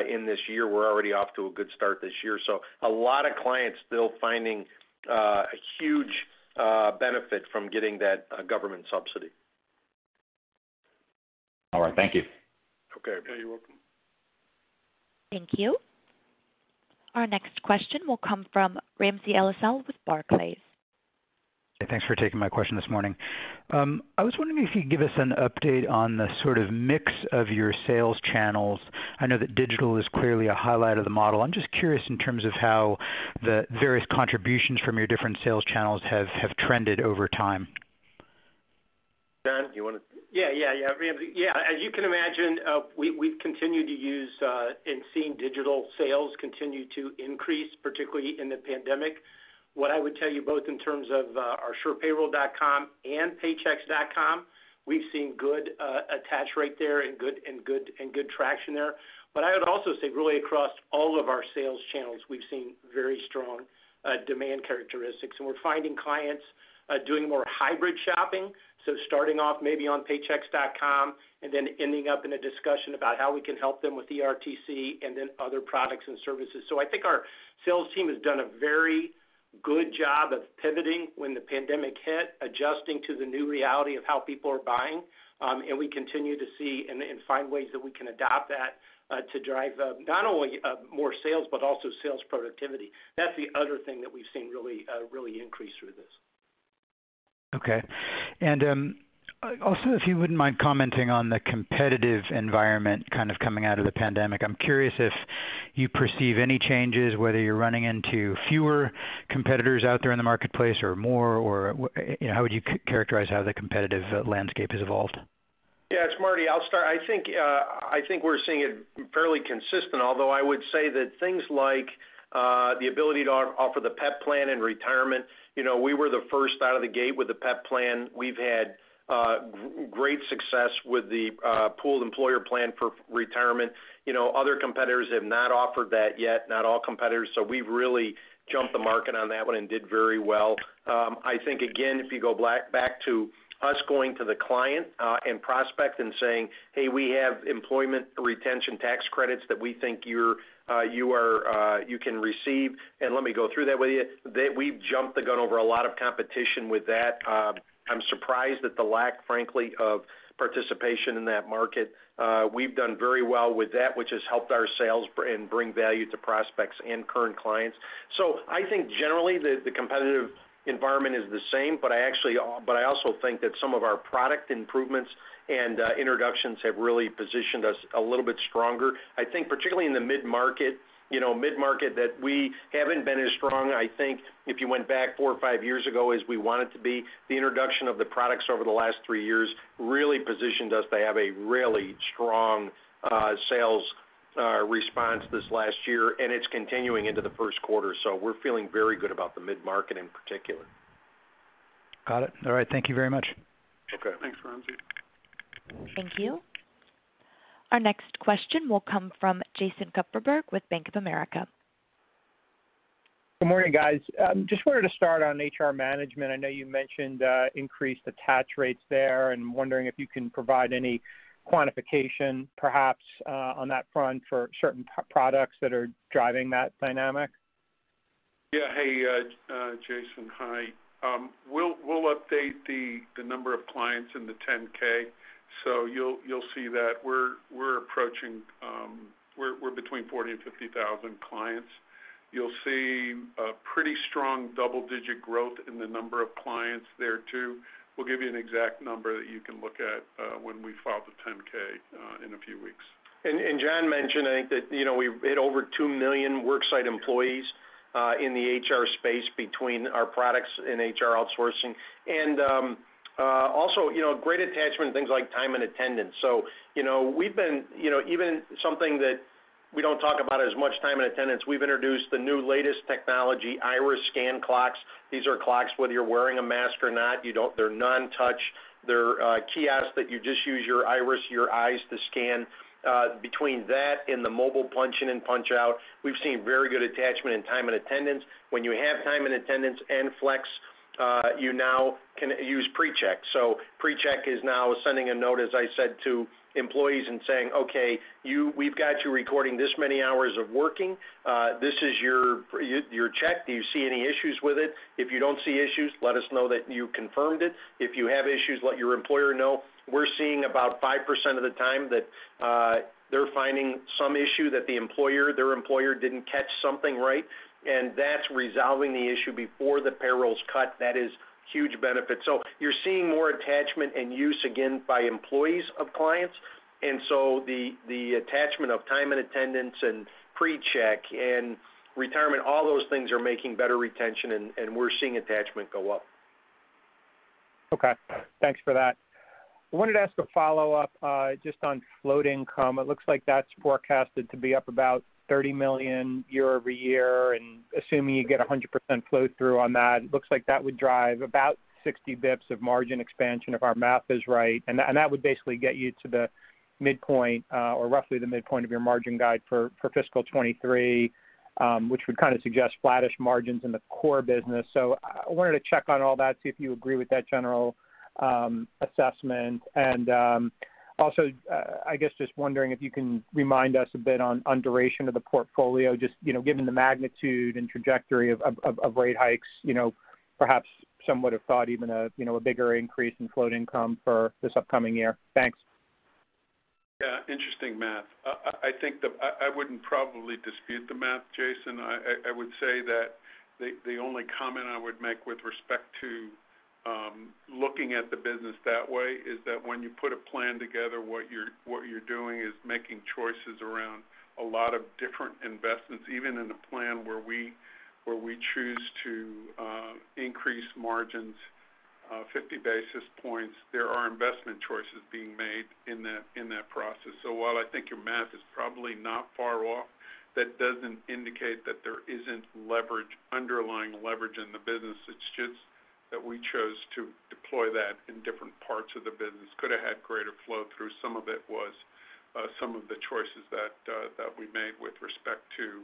Speaker 2: in this year. We're already off to a good start this year, so a lot of clients still finding a huge benefit from getting that government subsidy.
Speaker 7: All right. Thank you.
Speaker 2: Okay.
Speaker 3: Yeah, you're welcome.
Speaker 1: Thank you. Our next question will come from Ramsey El-Assal with Barclays.
Speaker 8: Hey, thanks for taking my question this morning. I was wondering if you could give us an update on the sort of mix of your sales channels. I know that digital is clearly a highlight of the model. I'm just curious in terms of how the various contributions from your different sales channels have trended over time.
Speaker 2: John, do you wanna-
Speaker 3: Yeah, yeah. Ramsey, yeah, as you can imagine, we've continued to see digital sales continue to increase, particularly in the pandemic. What I would tell you both in terms of our surepayroll.com and paychex.com, we've seen good attach rate there and good traction there. But I would also say really across all of our sales channels, we've seen very strong demand characteristics. We're finding clients doing more hybrid shopping, so starting off maybe on paychex.com and then ending up in a discussion about how we can help them with ERTC and then other products and services. I think our sales team has done a very good job of pivoting when the pandemic hit, adjusting to the new reality of how people are buying, and we continue to see and find ways that we can adopt that to drive not only more sales, but also sales productivity. That's the other thing that we've seen really increase through this.
Speaker 8: Okay. Also, if you wouldn't mind commenting on the competitive environment kind of coming out of the pandemic. I'm curious if you perceive any changes, whether you're running into fewer competitors out there in the marketplace or more, or you know, how would you characterize how the competitive landscape has evolved?
Speaker 2: Yeah, it's Marty. I'll start. I think we're seeing it fairly consistent, although I would say that things like the ability to offer the PEP plan and retirement, you know, we were the first out of the gate with the PEP plan. We've had great success with the Pooled Employer Plan for retirement. You know, other competitors have not offered that yet, not all competitors, so we've really jumped the market on that one and did very well. I think, again, if you go back to us going to the client and prospect and saying, "Hey, we have Employee Retention Credits that we think you can receive, and let me go through that with you," we've jumped the gun over a lot of competition with that. I'm surprised at the lack, frankly, of participation in that market. We've done very well with that, which has helped our sales and bring value to prospects and current clients. I think generally the competitive environment is the same, but I actually, but I also think that some of our product improvements and introductions have really positioned us a little bit stronger. I think particularly in the mid-market, you know, mid-market that we haven't been as strong, I think, if you went back four or five years ago, as we wanted to be. The introduction of the products over the last three years really positioned us to have a really strong sales response this last year, and it's continuing into the first quarter. We're feeling very good about the mid-market in particular.
Speaker 8: Got it. All right. Thank you very much.
Speaker 2: Okay.
Speaker 3: Thanks, Ramsey.
Speaker 1: Thank you. Our next question will come from Jason Kupferberg with Bank of America.
Speaker 9: Good morning, guys. Just wanted to start on HR management. I know you mentioned increased attach rates there, and wondering if you can provide any quantification perhaps on that front for certain products that are driving that dynamic.
Speaker 3: Yeah. Hey, Jason. Hi. We'll update the number of clients in the 10-K, so you'll see that. We're approaching. We're between 40,000 and 50,000 clients. You'll see a pretty strong double-digit growth in the number of clients there too. We'll give you an exact number that you can look at when we file the 10-K in a few weeks.
Speaker 2: John mentioned, I think that, you know, we've hit over 2 million worksite employees in the HR space between our products and HR outsourcing. Also, you know, great attachment in things like time and attendance. You know, we've been, you know, even something that we don't talk about as much, time and attendance, we've introduced the new latest technology, iris scan clocks. These are clocks, whether you're wearing a mask or not. They're non-touch. They're kiosks that you just use your iris, your eyes to scan. Between that and the mobile punch in and punch out, we've seen very good attachment in time and attendance. When you have time and attendance and Flex, you now can use PreCheck. PreCheck is now sending a note, as I said, to employees and saying, "Okay, you, we've got you recording this many hours of working. This is your check. Do you see any issues with it? If you don't see issues, let us know that you confirmed it. If you have issues, let your employer know." We're seeing about 5% of the time.
Speaker 4: They're finding some issue that the employer, their employer, didn't catch something right, and that's resolving the issue before the payroll's cut. That is huge benefit. You're seeing more attachment and use again by employees of clients. The attachment of time and attendance and PreCheck and retirement, all those things are making better retention, and we're seeing attachment go up.
Speaker 9: Okay. Thanks for that. I wanted to ask a follow-up just on float income. It looks like that's forecasted to be up about $30 million year-over-year, and assuming you get 100% flow through on that, it looks like that would drive about 60 basis points of margin expansion, if our math is right. That would basically get you to the midpoint, or roughly the midpoint of your margin guide for fiscal 2023, which would kind of suggest flattish margins in the core business. I wanted to check on all that, see if you agree with that general assessment. I guess just wondering if you can remind us a bit on duration of the portfolio, just, you know, given the magnitude and trajectory of rate hikes, you know, perhaps some would have thought even a, you know, a bigger increase in float income for this upcoming year. Thanks.
Speaker 4: Yeah, interesting math. I think I wouldn't probably dispute the math, Jason. I would say that the only comment I would make with respect to looking at the business that way is that when you put a plan together, what you're doing is making choices around a lot of different investments. Even in a plan where we choose to increase margins 50 basis points, there are investment choices being made in that process. While I think your math is probably not far off, that doesn't indicate that there isn't leverage, underlying leverage in the business. It's just that we chose to deploy that in different parts of the business. Could have had greater flow through. Some of it was some of the choices that we made with respect to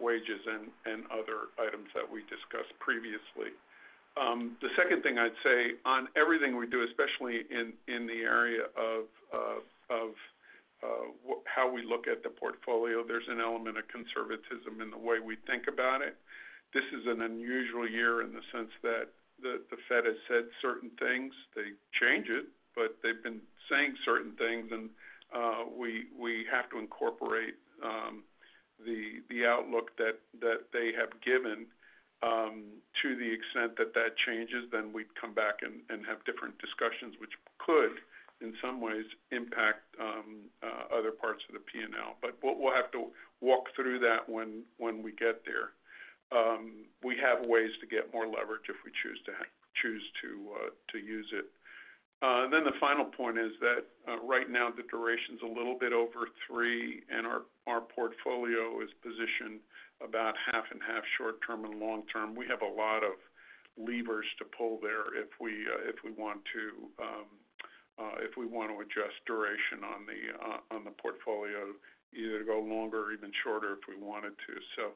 Speaker 4: wages and other items that we discussed previously. The second thing I'd say on everything we do, especially in the area of how we look at the portfolio, there's an element of conservatism in the way we think about it. This is an unusual year in the sense that the Fed has said certain things. They change it, but they've been saying certain things, and we have to incorporate the outlook that they have given. To the extent that that changes, then we'd come back and have different discussions, which could, in some ways, impact other parts of the P&L. We'll have to walk through that when we get there. We have ways to get more leverage if we choose to use it. The final point is that right now the duration's a little bit over 3, and our portfolio is positioned about half and half short-term and long-term. We have a lot of levers to pull there if we want to adjust duration on the portfolio, either to go longer or even shorter if we wanted to.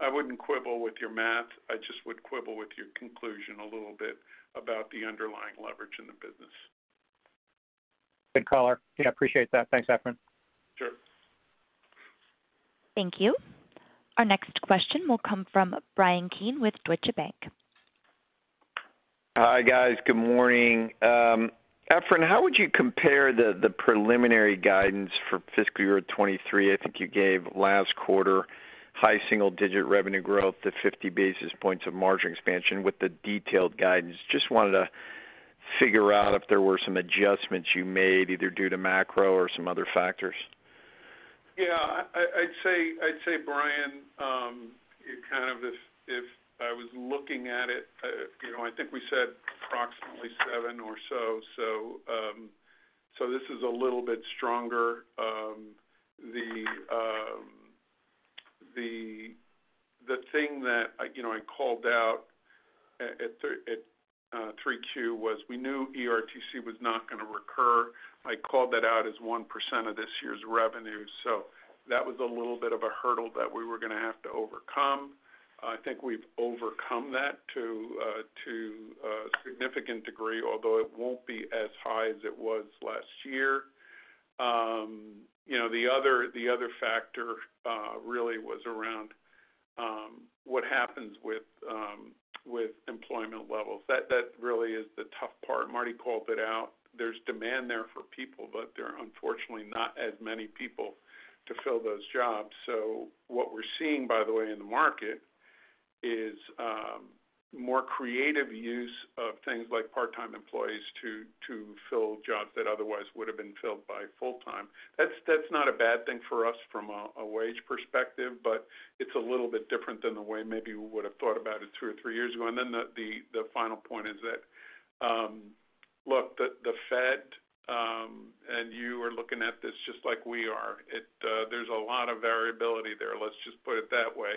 Speaker 4: I wouldn't quibble with your math. I just would quibble with your conclusion a little bit about the underlying leverage in the business.
Speaker 9: Good call. Yeah, appreciate that. Thanks, Efrain.
Speaker 4: Sure.
Speaker 1: Thank you. Our next question will come from Bryan Keane with Deutsche Bank.
Speaker 10: Hi, guys. Good morning. Efrain, how would you compare the preliminary guidance for fiscal year 2023? I think you gave last quarter high single digit revenue growth to 50 basis points of margin expansion with the detailed guidance. Just wanted to figure out if there were some adjustments you made either due to macro or some other factors.
Speaker 4: Yeah. I'd say, Bryan, kind of if I was looking at it, you know, I think we said approximately 7 or so. This is a little bit stronger. The thing that, you know, I called out at 3Q was we knew ERTC was not gonna recur. I called that out as 1% of this year's revenue. That was a little bit of a hurdle that we were gonna have to overcome. I think we've overcome that to a significant degree, although it won't be as high as it was last year. You know, the other factor really was around what happens with employment levels. That really is the tough part. Marty called it out. There's demand there for people, but there are unfortunately not as many people to fill those jobs. What we're seeing, by the way, in the market is more creative use of things like part-time employees to fill jobs that otherwise would have been filled by full-time. That's not a bad thing for us from a wage perspective, but it's a little bit different than the way maybe we would have thought about it two or three years ago. The final point is that, look, the Fed and you are looking at this just like we are. There's a lot of variability there. Let's just put it that way.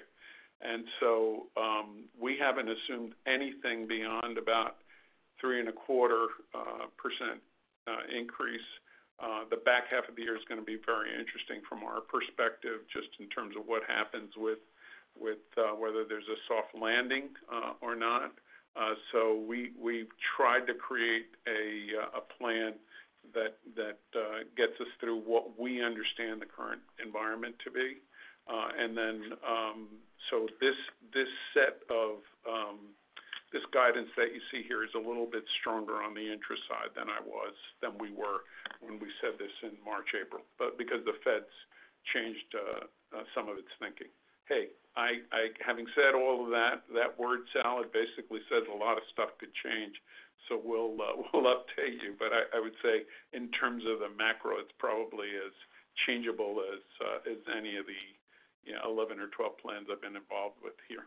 Speaker 4: We haven't assumed anything beyond about 3.25% increase. The back half of the year is gonna be very interesting from our perspective, just in terms of what happens with whether there's a soft landing or not. We've tried to create a plan that gets us through what we understand the current environment to be. This guidance that you see here is a little bit stronger on the interest side than we were when we said this in March, April, but because the Fed's changed some of its thinking. Having said all of that word salad basically says a lot of stuff could change. We'll update you. I would say in terms of the macro, it's probably as changeable as any of the, you know, 11 or 12 plans I've been involved with here.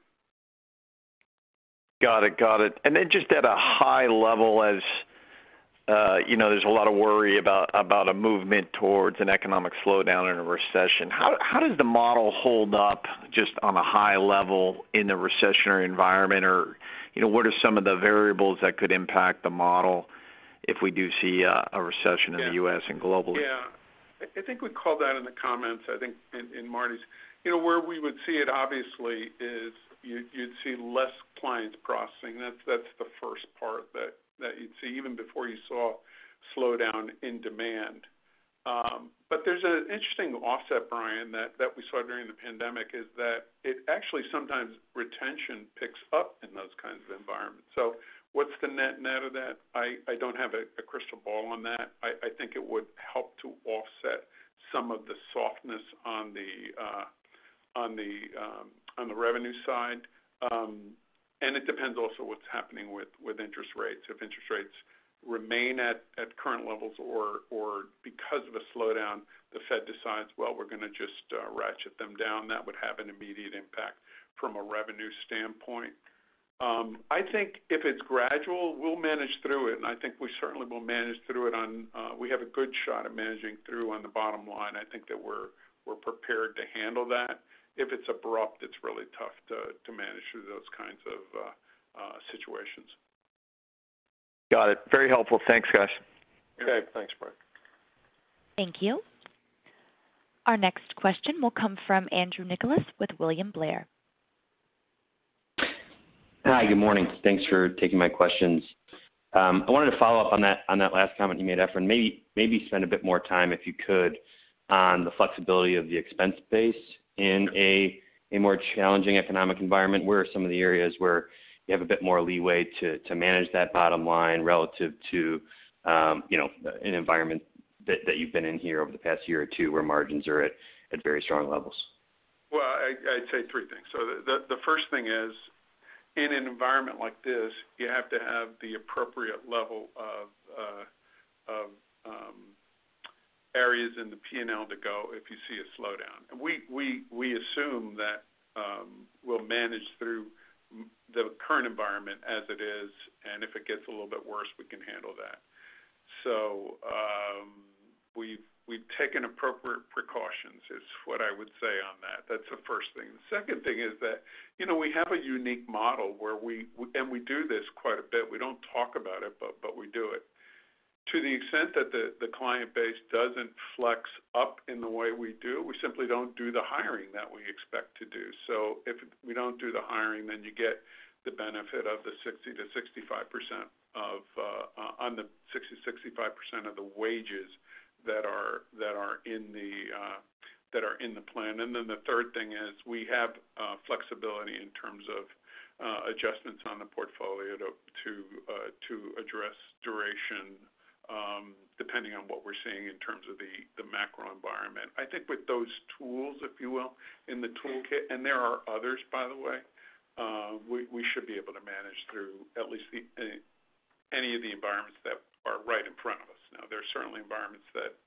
Speaker 2: Got it. Just at a high level, as you know, there's a lot of worry about a movement towards an economic slowdown in a recession, how does the model hold up just on a high level in the recessionary environment? Or, you know, what are some of the variables that could impact the model if we do see a recession in the U.S. and globally?
Speaker 4: Yeah. I think we called that in the comments, I think in Marty's. You know, where we would see it, obviously is you'd see less clients processing. That's the first part that you'd see even before you saw slowdown in demand. There's an interesting offset, Bryan, that we saw during the pandemic, is that it actually sometimes retention picks up in those kinds of environments. What's the net-net of that? I don't have a crystal ball on that. I think it would help to offset some of the softness on the revenue side. It depends also what's happening with interest rates. If interest rates remain at current levels or because of a slowdown, the Fed decides, well, we're gonna just ratchet them down, that would have an immediate impact from a revenue standpoint. I think if it's gradual, we'll manage through it, and I think we certainly will manage through it. We have a good shot at managing through on the bottom line. I think that we're prepared to handle that. If it's abrupt, it's really tough to manage through those kinds of situations.
Speaker 10: Got it. Very helpful. Thanks, guys.
Speaker 4: Okay. Thanks, Bryan.
Speaker 1: Thank you. Our next question will come from Andrew Nicholas with William Blair.
Speaker 11: Hi, good morning. Thanks for taking my questions. I wanted to follow up on that last comment you made, Efrain. Maybe spend a bit more time, if you could, on the flexibility of the expense base in a more challenging economic environment. Where are some of the areas where you have a bit more leeway to manage that bottom line relative to an environment that you've been in here over the past year or two, where margins are at very strong levels?
Speaker 4: Well, I'd say three things. The first thing is, in an environment like this, you have to have the appropriate level of areas in the P&L to go if you see a slowdown. We assume that we'll manage through the current environment as it is, and if it gets a little bit worse, we can handle that. We've taken appropriate precautions, is what I would say on that. That's the first thing. The second thing is that, you know, we have a unique model where we and we do this quite a bit. We don't talk about it, but we do it. To the extent that the client base doesn't flex up in the way we do, we simply don't do the hiring that we expect to do. If we don't do the hiring, then you get the benefit of the 60%-65% of the wages that are in the plan. The third thing is we have flexibility in terms of adjustments on the portfolio to address duration, depending on what we're seeing in terms of the macro environment. I think with those tools, if you will, in the toolkit, and there are others, by the way, we should be able to manage through at least any of the environments that are right in front of us. Now, there are certainly environments that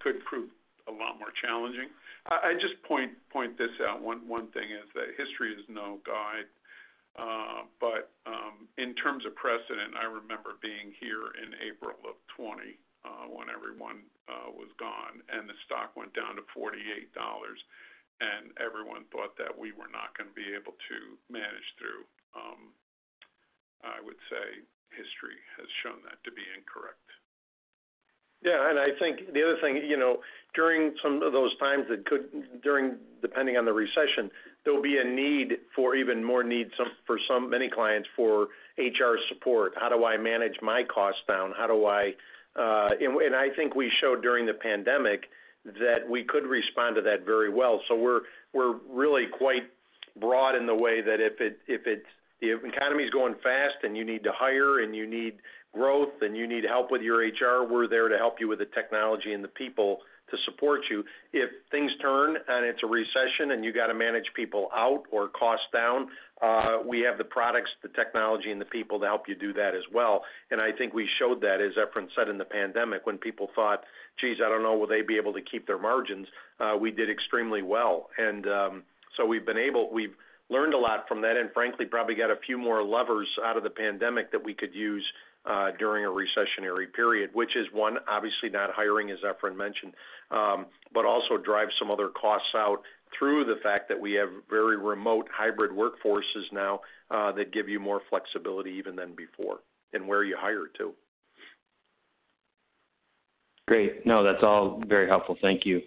Speaker 4: could prove a lot more challenging. I just point this out. One thing is that history is no guide. In terms of precedent, I remember being here in April of 2020, when everyone was gone and the stock went down to $48, and everyone thought that we were not gonna be able to manage through. I would say history has shown that to be incorrect.
Speaker 2: Yeah. I think the other thing, you know, during some of those times, depending on the recession, there will be a need for even more, for some, many clients for HR support. How do I manage my cost down? I think we showed during the pandemic that we could respond to that very well. We're really quite broad in the way that if economy is going fast and you need to hire and you need growth and you need help with your HR, we're there to help you with the technology and the people to support you. If things turn and it's a recession and you gotta manage people out or cost down, we have the products, the technology, and the people to help you do that as well. I think we showed that, as Efrain said, in the pandemic when people thought, "Geez, I don't know, will they be able to keep their margins?" We did extremely well. We've learned a lot from that, and frankly, probably got a few more levers out of the pandemic that we could use during a recessionary period, which is one, obviously not hiring, as Efrain mentioned. Also drive some other costs out through the fact that we have very remote hybrid workforces now, that give you more flexibility even than before, and where you hire, too.
Speaker 11: Great. No, that's all very helpful. Thank you.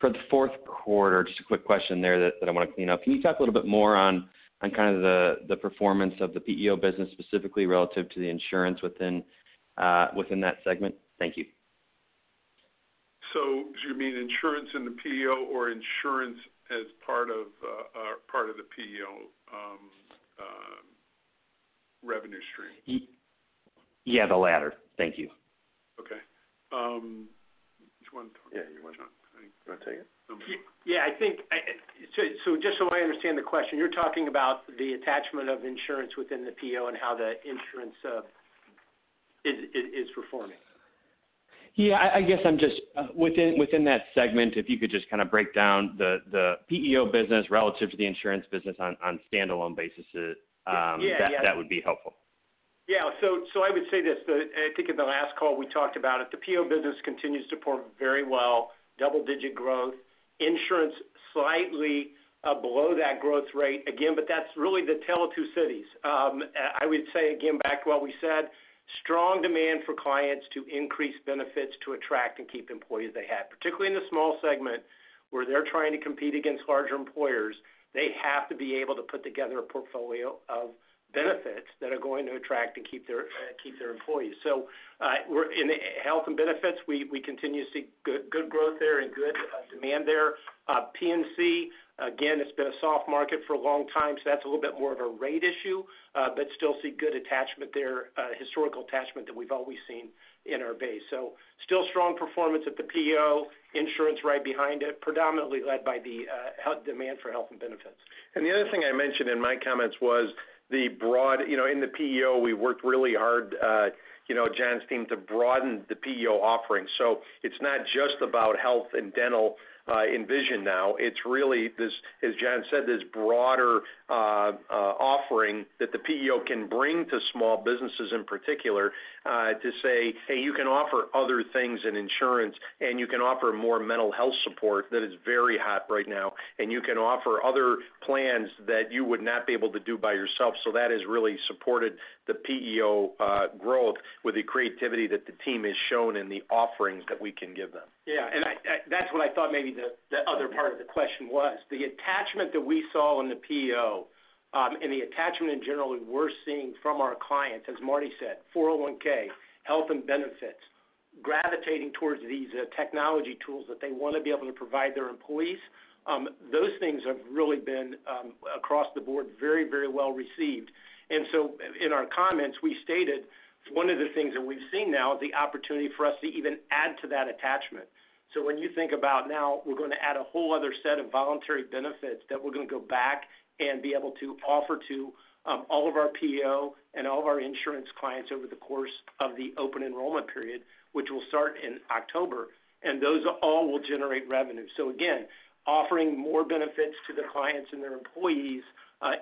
Speaker 11: For the fourth quarter, just a quick question there that I want to clean up. Can you talk a little bit more on kind of the performance of the PEO business, specifically relative to the insurance within that segment? Thank you.
Speaker 4: Do you mean insurance in the PEO or insurance as part of the PEO revenue stream?
Speaker 11: Yeah, the latter. Thank you.
Speaker 4: Okay. Do you wanna talk?
Speaker 2: Yeah, you wanna talk? You wanna take it?
Speaker 4: Okay.
Speaker 3: Yeah, I think. Just so I understand the question, you're talking about the attachment of insurance within the PEO and how the insurance is performing.
Speaker 11: Yeah. I guess I'm just within that segment, if you could just kinda break down the PEO business relative to the insurance business on standalone basis.
Speaker 3: Yeah, yeah.
Speaker 11: that would be helpful.
Speaker 3: Yeah. I would say this. I think in the last call we talked about it. The PEO business continues to perform very well, double-digit growth. Insurance slightly below that growth rate again. That's really the tale of two cities. I would say again back to what we said, strong demand for clients to increase benefits to attract and keep employees they have. Particularly in the small segment, where they're trying to compete against larger employers, they have to be able to put together a portfolio of benefits that are going to attract and keep their employees. We're in health and benefits, we continue to see good growth there and good demand there. P&C, again, it's been a soft market for a long time, so that's a little bit more of a rate issue. still see good attachment there, historical attachment that we've always seen in our base. Still strong performance at the PEO, insurance right behind it, predominantly led by the health demand for health and benefits.
Speaker 2: The other thing I mentioned in my comments was. You know, in the PEO, we worked really hard, you know, John's team to broaden the PEO offering. It's not just about health and dental, and vision now. It's really this, as John said, this broader offering that the PEO can bring to small businesses in particular, to say, "Hey, you can offer other things in insurance, and you can offer more mental health support that is very hot right now. You can offer other plans that you would not be able to do by yourself." That has really supported the PEO growth with the creativity that the team has shown in the offerings that we can give them.
Speaker 3: Yeah. That's what I thought maybe the other part of the question was. The attachment that we saw in the PEO and the attachment in general that we're seeing from our clients, as Marty said, 401(k), health and benefits, gravitating towards these technology tools that they wanna be able to provide their employees, those things have really been across the board very, very well received. In our comments, we stated one of the things that we've seen now, the opportunity for us to even add to that attachment. When you think about now we're gonna add a whole other set of voluntary benefits that we're gonna go back and be able to offer to all of our PEO and all of our insurance clients over the course of the open enrollment period, which will start in October, and those all will generate revenue. Again, offering more benefits to the clients and their employees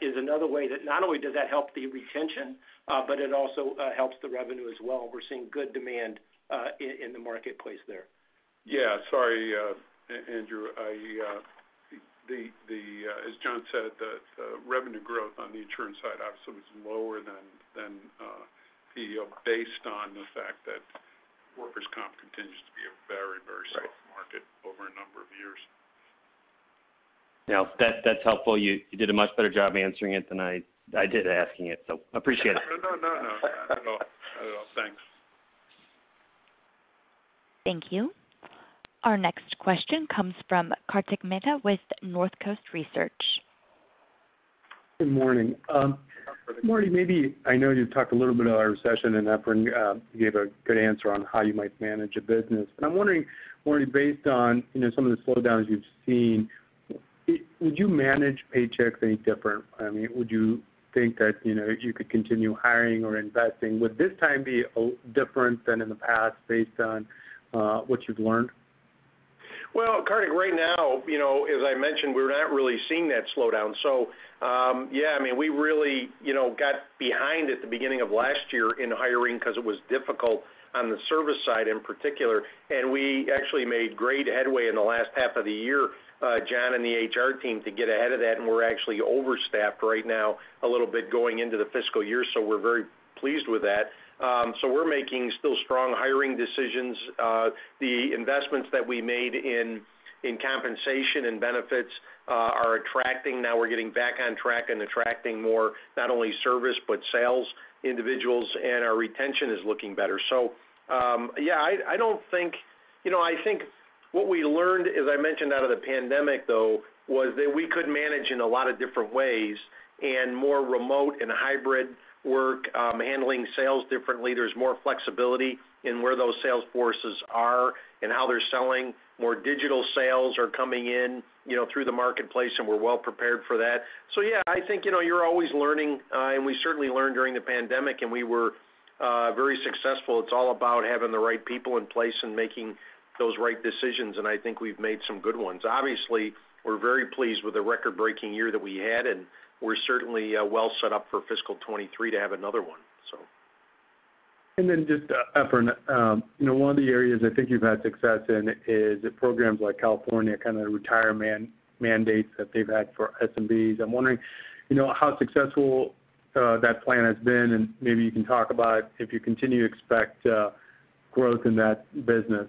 Speaker 3: is another way that not only does that help the retention, but it also helps the revenue as well. We're seeing good demand in the marketplace there.
Speaker 4: Yeah. Sorry, Andrew. As John said, the revenue growth on the insurance side obviously was lower than PEO based on the fact that workers' comp continues to be a very, very soft market.
Speaker 2: Right
Speaker 4: Over a number of years.
Speaker 11: Yeah. That's helpful. You did a much better job answering it than I did asking it, so appreciate it.
Speaker 4: No. Not at all. Thanks.
Speaker 1: Thank you. Our next question comes from Kartik Mehta with Northcoast Research Partners.
Speaker 12: Good morning. Marty, maybe I know you talked a little bit about recession, and Efrain, you gave a good answer on how you might manage a business. I'm wondering, Marty, based on, you know, some of the slowdowns you've seen, would you manage Paychex any different? I mean, would you think that, you know, if you could continue hiring or investing, would this time be different than in the past based on, what you've learned?
Speaker 2: Well, Kartik, right now, you know, as I mentioned, we're not really seeing that slowdown. Yeah, I mean, we really, you know, got behind at the beginning of last year in hiring 'cause it was difficult on the service side in particular. We actually made great headway in the last half of the year, John and the HR team, to get ahead of that, and we're actually overstaffed right now a little bit going into the fiscal year. We're very pleased with that. We're making still strong hiring decisions. The investments that we made in compensation and benefits are attracting now. We're getting back on track and attracting more not only service, but sales individuals, and our retention is looking better. Yeah, I don't think... You know, I think what we learned, as I mentioned, out of the pandemic though, was that we could manage in a lot of different ways and more remote and hybrid work, handling sales differently. There's more flexibility in where those sales forces are and how they're selling. More digital sales are coming in, you know, through the marketplace, and we're well prepared for that. Yeah, I think, you know, you're always learning, and we certainly learned during the pandemic, and we were very successful. It's all about having the right people in place and making those right decisions, and I think we've made some good ones. Obviously, we're very pleased with the record-breaking year that we had, and we're certainly well set up for fiscal 2023 to have another one.
Speaker 12: Just, Efrain, you know, one of the areas I think you've had success in is programs like California kind of retirement mandates that they've had for SMBs. I'm wondering, you know, how successful that plan has been, and maybe you can talk about if you continue to expect growth in that business.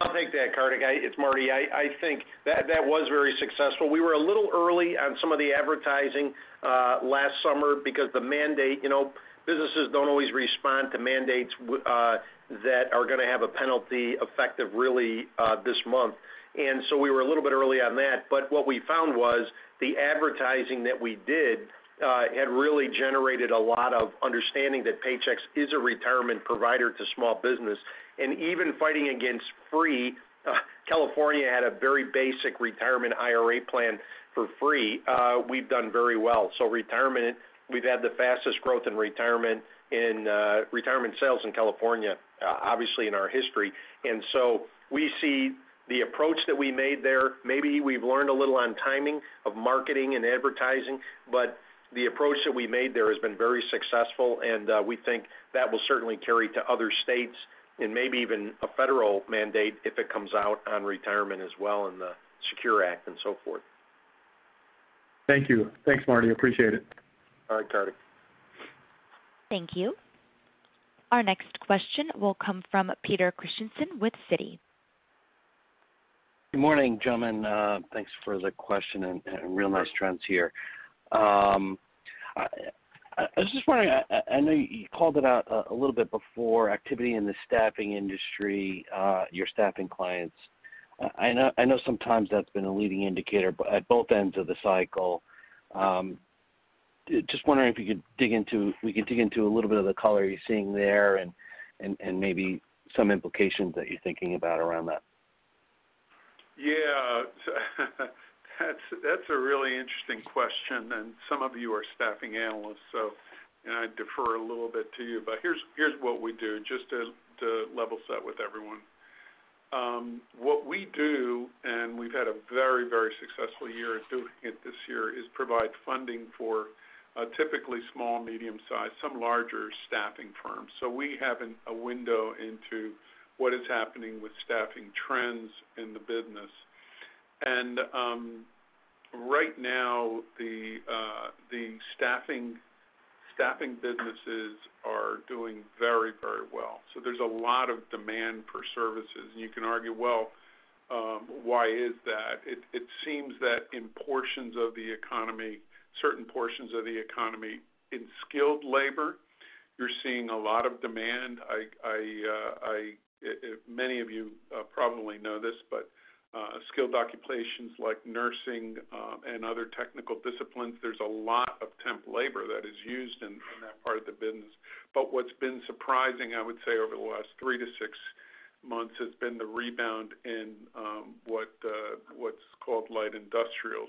Speaker 2: I'll take that, Kartik. It's Marty. I think that was very successful. We were a little early on some of the advertising last summer because the mandate. You know, businesses don't always respond to mandates that are gonna have a penalty effective really this month. We were a little bit early on that. What we found was the advertising that we did had really generated a lot of understanding that Paychex is a retirement provider to small business. Even fighting against free, California had a very basic retirement IRA plan for free, we've done very well. Retirement, we've had the fastest growth in retirement sales in California obviously in our history. We see the approach that we made there, maybe we've learned a little on timing of marketing and advertising, but the approach that we made there has been very successful, and we think that will certainly carry to other states and maybe even a federal mandate if it comes out on retirement as well in the SECURE Act and so forth.
Speaker 4: Thank you. Thanks, Marty. Appreciate it.
Speaker 2: All right, Kartik.
Speaker 1: Thank you. Our next question will come from Peter Christiansen with Citi.
Speaker 13: Good morning, gentlemen. Thanks for the question and real nice trends here. I just wondering, I know you called it out a little bit before, activity in the staffing industry, your staffing clients. I know sometimes that's been a leading indicator, but at both ends of the cycle. Just wondering if we could dig into a little bit of the color you're seeing there and maybe some implications that you're thinking about around that.
Speaker 4: Yeah. That's a really interesting question, and some of you are staffing analysts, so I defer a little bit to you. But here's what we do just to level set with everyone. What we do, and we've had a very, very successful year of doing it this year, is provide funding for typically small, medium-sized, some larger staffing firms. So we have a window into what is happening with staffing trends in the business. Right now the staffing businesses are doing very, very well. So there's a lot of demand for services. You can argue, well, why is that? It seems that in portions of the economy, certain portions of the economy, in skilled labor, you're seeing a lot of demand. I... Many of you probably know this, but skilled occupations like nursing and other technical disciplines, there's a lot of temp labor that is used in that part of the business. What's been surprising, I would say, over the last 3-6 months has been the rebound in what's called light industrial.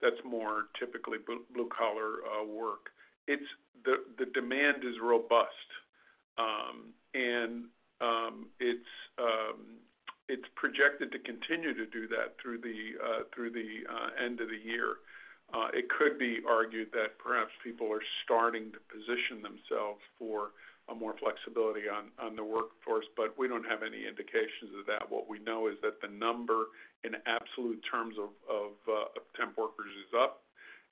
Speaker 4: That's more typically blue collar work. The demand is robust. It's projected to continue to do that through the end of the year. It could be argued that perhaps people are starting to position themselves for more flexibility on the workforce, but we don't have any indications of that. What we know is that the number in absolute terms of temp workers is up,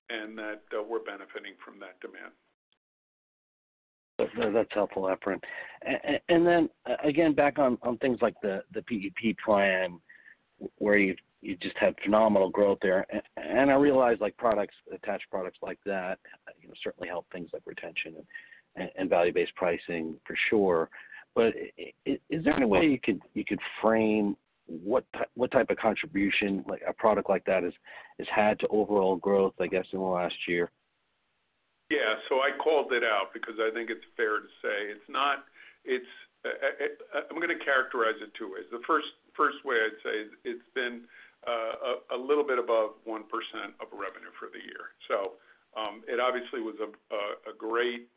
Speaker 4: and that we're benefiting from that demand.
Speaker 13: That's helpful, Efrain. Again, back on things like the PEP plan, where you just have phenomenal growth there. I realize, like, products, attached products like that, you know, certainly help things like retention and value-based pricing for sure. Is there any way you could frame what type of contribution like a product like that has had to overall growth, I guess, in the last year?
Speaker 4: Yeah. I called it out because I think it's fair to say. I'm gonna characterize it two ways. The first way I'd say it's been a little bit above 1% of revenue for the year. It obviously was a great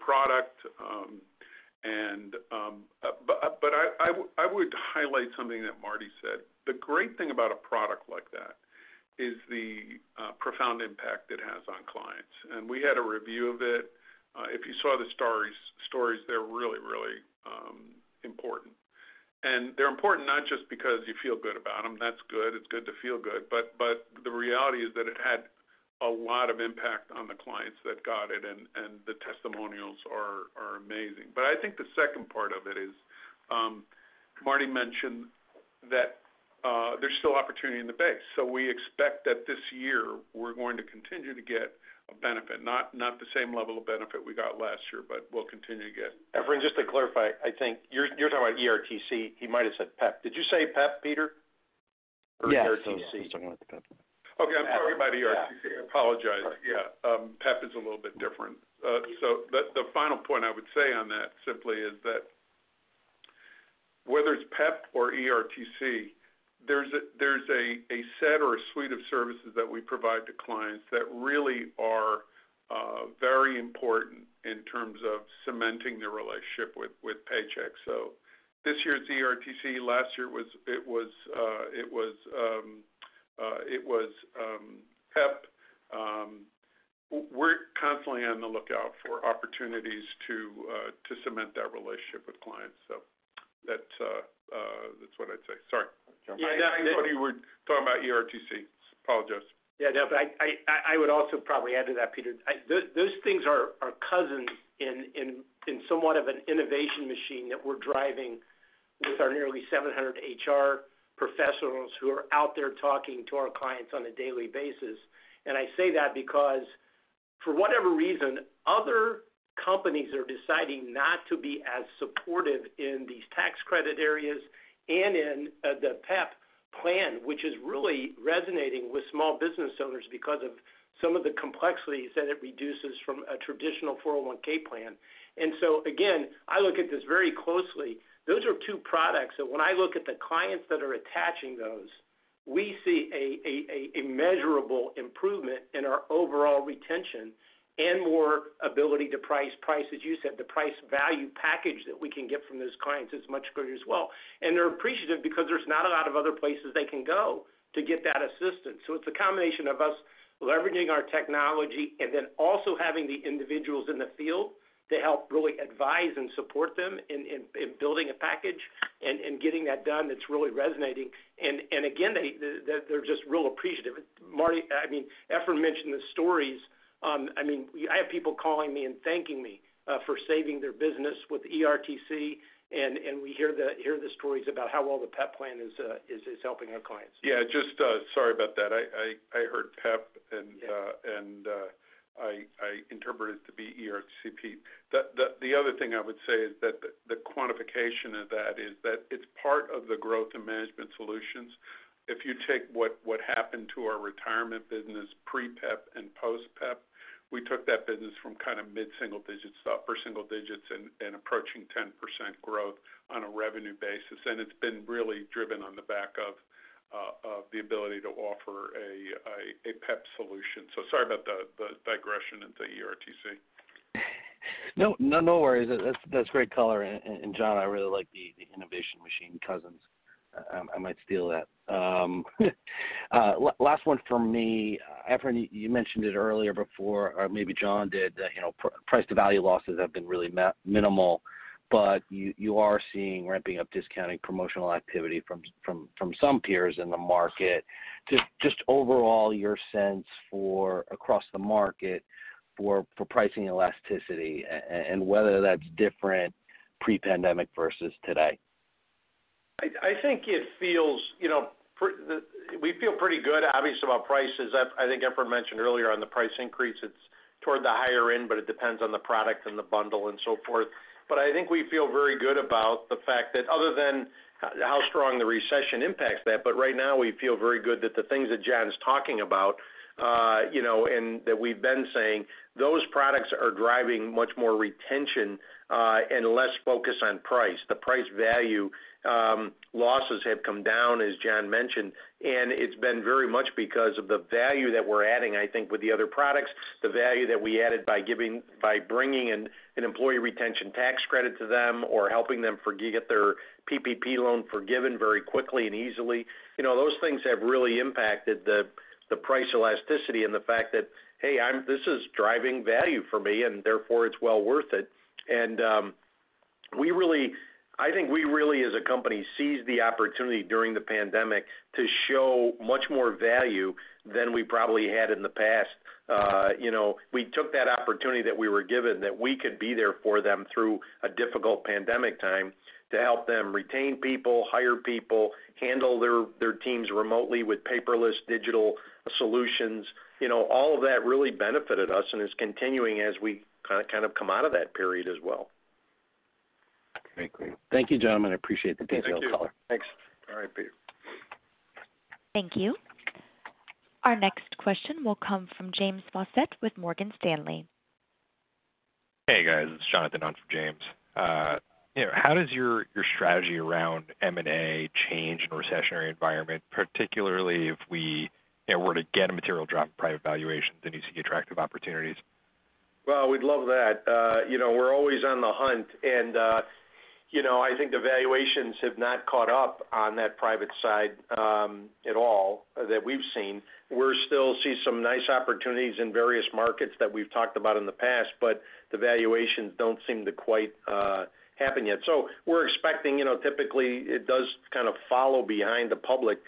Speaker 4: product. I would highlight something that Marty said. The great thing about a product like that is the profound impact it has on clients. We had a review of it. If you saw the stories, they're really important. They're important not just because you feel good about them. That's good. It's good to feel good. The reality is that it had a lot of impact on the clients that got it, and the testimonials are amazing. I think the second part of it is, Martin mentioned that, there's still opportunity in the base. We expect that this year we're going to continue to get a benefit. Not the same level of benefit we got last year, but we'll continue to get.
Speaker 2: Efrain, just to clarify, I think you're talking about ERTC. He might have said PEP. Did you say PEP, Peter?
Speaker 13: Yes.
Speaker 2: ERTC?
Speaker 13: I was talking about the PEP.
Speaker 4: Okay. I'm talking about ERTC.
Speaker 13: Yeah.
Speaker 4: I apologize.
Speaker 13: Sorry.
Speaker 4: Yeah. PEP is a little bit different. The final point I would say on that simply is that whether it's PEP or ERTC, there's a set or a suite of services that we provide to clients that really are very important in terms of cementing the relationship with Paychex. This year it's ERTC. Last year it was PEP. We're constantly on the lookout for opportunities to cement that relationship with clients. That's what I'd say. Sorry.
Speaker 2: Yeah, I know.
Speaker 4: I thought you were talking about ERTC. Apologize.
Speaker 2: Yeah, no, but I would also probably add to that, Peter. Those things are cousins in somewhat of an innovation machine that we're driving with our nearly 700 HR professionals who are out there talking to our clients on a daily basis. I say that because for whatever reason, other companies are deciding not to be as supportive in these tax credit areas and in the PEP plan, which is really resonating with small business owners because of some of the complexities that it reduces from a traditional 401 plan. Again, I look at this very closely. Those are two products that when I look at the clients that are attaching those, we see a measurable improvement in our overall retention and more ability to price. Price, as you said, the price value package that we can get from those clients is much greater as well. They're appreciative because there's not a lot of other places they can go to get that assistance. It's a combination of us leveraging our technology and then also having the individuals in the field to help really advise and support them in building a package and getting that done that's really resonating. Again, they're just real appreciative. Marty, I mean, Efrain mentioned the stories. I mean, I have people calling me and thanking me for saving their business with ERTC, and we hear the stories about how well the PEP plan is helping our clients.
Speaker 4: Sorry about that. I heard PEP and
Speaker 2: Yeah.
Speaker 4: I interpreted it to be ERTC, Pete. The other thing I would say is that the quantification of that is that it's part of the growth and management solutions. If you take what happened to our retirement business pre-PEP and post-PEP, we took that business from kind of mid-single digits to upper single digits and approaching 10% growth on a revenue basis. It's been really driven on the back of the ability to offer a PEP solution. Sorry about the digression into ERTC.
Speaker 13: No worries. That's great color. John, I really like the innovation machine, cuz. I might steal that. Last one from me. Efrain, you mentioned it earlier before, or maybe John did, you know, price to value losses have been really minimal, but you are seeing ramping up discounting promotional activity from some peers in the market. Just overall, your sense for across the market for pricing elasticity and whether that's different pre-pandemic versus today?
Speaker 2: I think it feels, you know, we feel pretty good, optimistic about prices. I think Efrain mentioned earlier on the price increase, it's toward the higher end, but it depends on the product and the bundle and so forth. I think we feel very good about the fact that other than how strong the recession impacts that. Right now, we feel very good that the things that John's talking about, you know, and that we've been saying, those products are driving much more retention and less focus on price. The price value losses have come down, as John mentioned, and it's been very much because of the value that we're adding, I think, with the other products, the value that we added by bringing an Employee Retention Credit to them or helping them get their PPP loan forgiven very quickly and easily. You know, those things have really impacted the price elasticity and the fact that this is driving value for me, and therefore, it's well worth it. I think we really, as a company, seized the opportunity during the pandemic to show much more value than we probably had in the past. You know, we took that opportunity that we were given that we could be there for them through a difficult pandemic time to help them retain people, hire people, handle their teams remotely with paperless digital solutions. You know, all of that really benefited us and is continuing as we kind of come out of that period as well.
Speaker 13: Okay, great. Thank you, gentlemen. I appreciate the detailed color.
Speaker 4: Thank you. Thanks. All right, Peter.
Speaker 1: Thank you. Our next question will come from James Faucette with Morgan Stanley.
Speaker 14: Hey, guys. It's Jonathan on for James. You know, how does your strategy around M&A change in a recessionary environment, particularly if we, you know, were to get a material drop in private valuations and you see attractive opportunities?
Speaker 2: Well, we'd love that. You know, we're always on the hunt. You know, I think the valuations have not caught up on that private side at all that we've seen. We're still seeing some nice opportunities in various markets that we've talked about in the past, but the valuations don't seem to quite happen yet. You know, typically it does kind of follow behind the public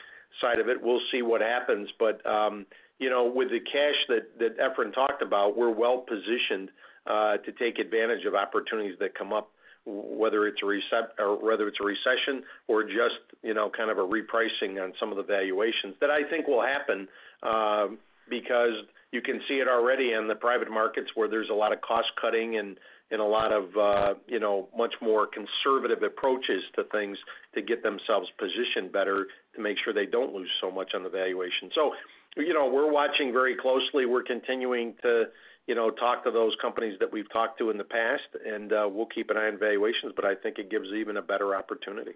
Speaker 2: side of it. We'll see what happens. You know, with the cash that Efrain talked about, we're well-positioned to take advantage of opportunities that come up, whether it's a recession or just you know kind of a repricing on some of the valuations that I think will happen because you can see it already in the private markets where there's a lot of cost-cutting and a lot of you know much more conservative approaches to things to get themselves positioned better to make sure they don't lose so much on the valuation. You know, we're watching very closely. We're continuing to you know talk to those companies that we've talked to in the past and we'll keep an eye on valuations, but I think it gives even a better opportunity.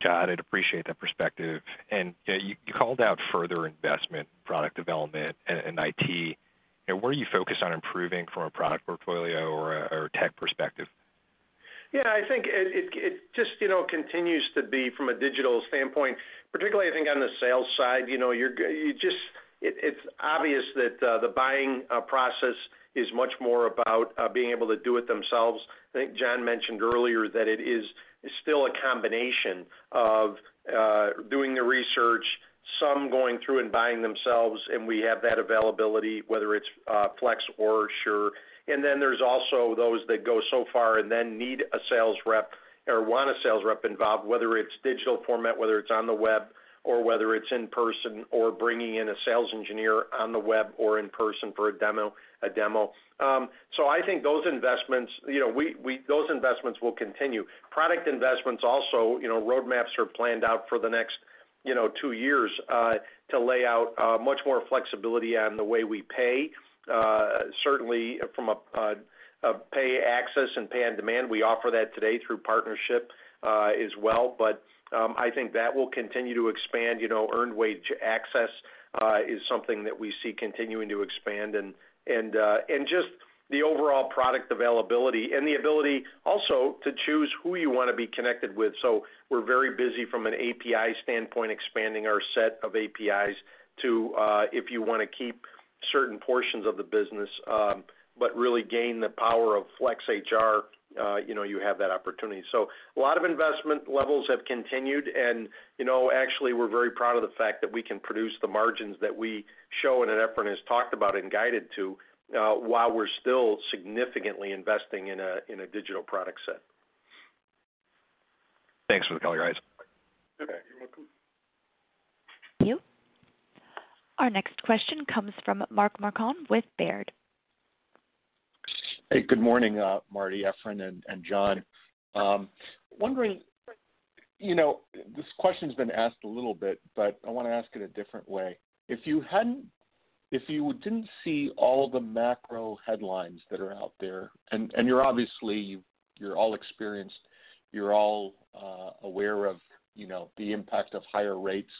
Speaker 14: John, I'd appreciate that perspective. You know, you called out further investment, product development and IT. You know, where are you focused on improving from a product portfolio or a tech perspective?
Speaker 2: Yeah, I think it just, you know, continues to be from a digital standpoint, particularly I think on the sales side. It is obvious that the buying process is much more about being able to do it themselves. I think John mentioned earlier that it is still a combination of doing the research, some going through and buying themselves, and we have that availability, whether it's Flex or SurePayroll. There's also those that go so far and then need a sales rep or want a sales rep involved, whether it's digital format, whether it's on the web, or whether it's in person, or bringing in a sales engineer on the web or in person for a demo. I think those investments, you know, will continue. Product investments also, you know, roadmaps are planned out for the next, you know, two years, to lay out much more flexibility on the way we pay, certainly from a pay access and pay on demand. We offer that today through partnership as well. I think that will continue to expand. You know, earned wage access is something that we see continuing to expand and just the overall product availability and the ability also to choose who you wanna be connected with. We're very busy from an API standpoint, expanding our set of APIs to, if you wanna keep certain portions of the business, but really gain the power of Flex HR, you know, you have that opportunity. A lot of investment levels have continued. You know, actually, we're very proud of the fact that we can produce the margins that we show and that Efrain has talked about and guided to, while we're still significantly investing in a digital product set.
Speaker 14: Thanks for the color, guys.
Speaker 4: Okay. You're welcome.
Speaker 1: Thank you. Our next question comes from Mark Marcon with Baird.
Speaker 15: Hey, good morning, Marty, Efrain, and John. Wondering, you know, this question's been asked a little bit, but I want to ask it a different way. If you didn't see all the macro headlines that are out there, and you're obviously all experienced, all aware of, you know, the impact of higher rates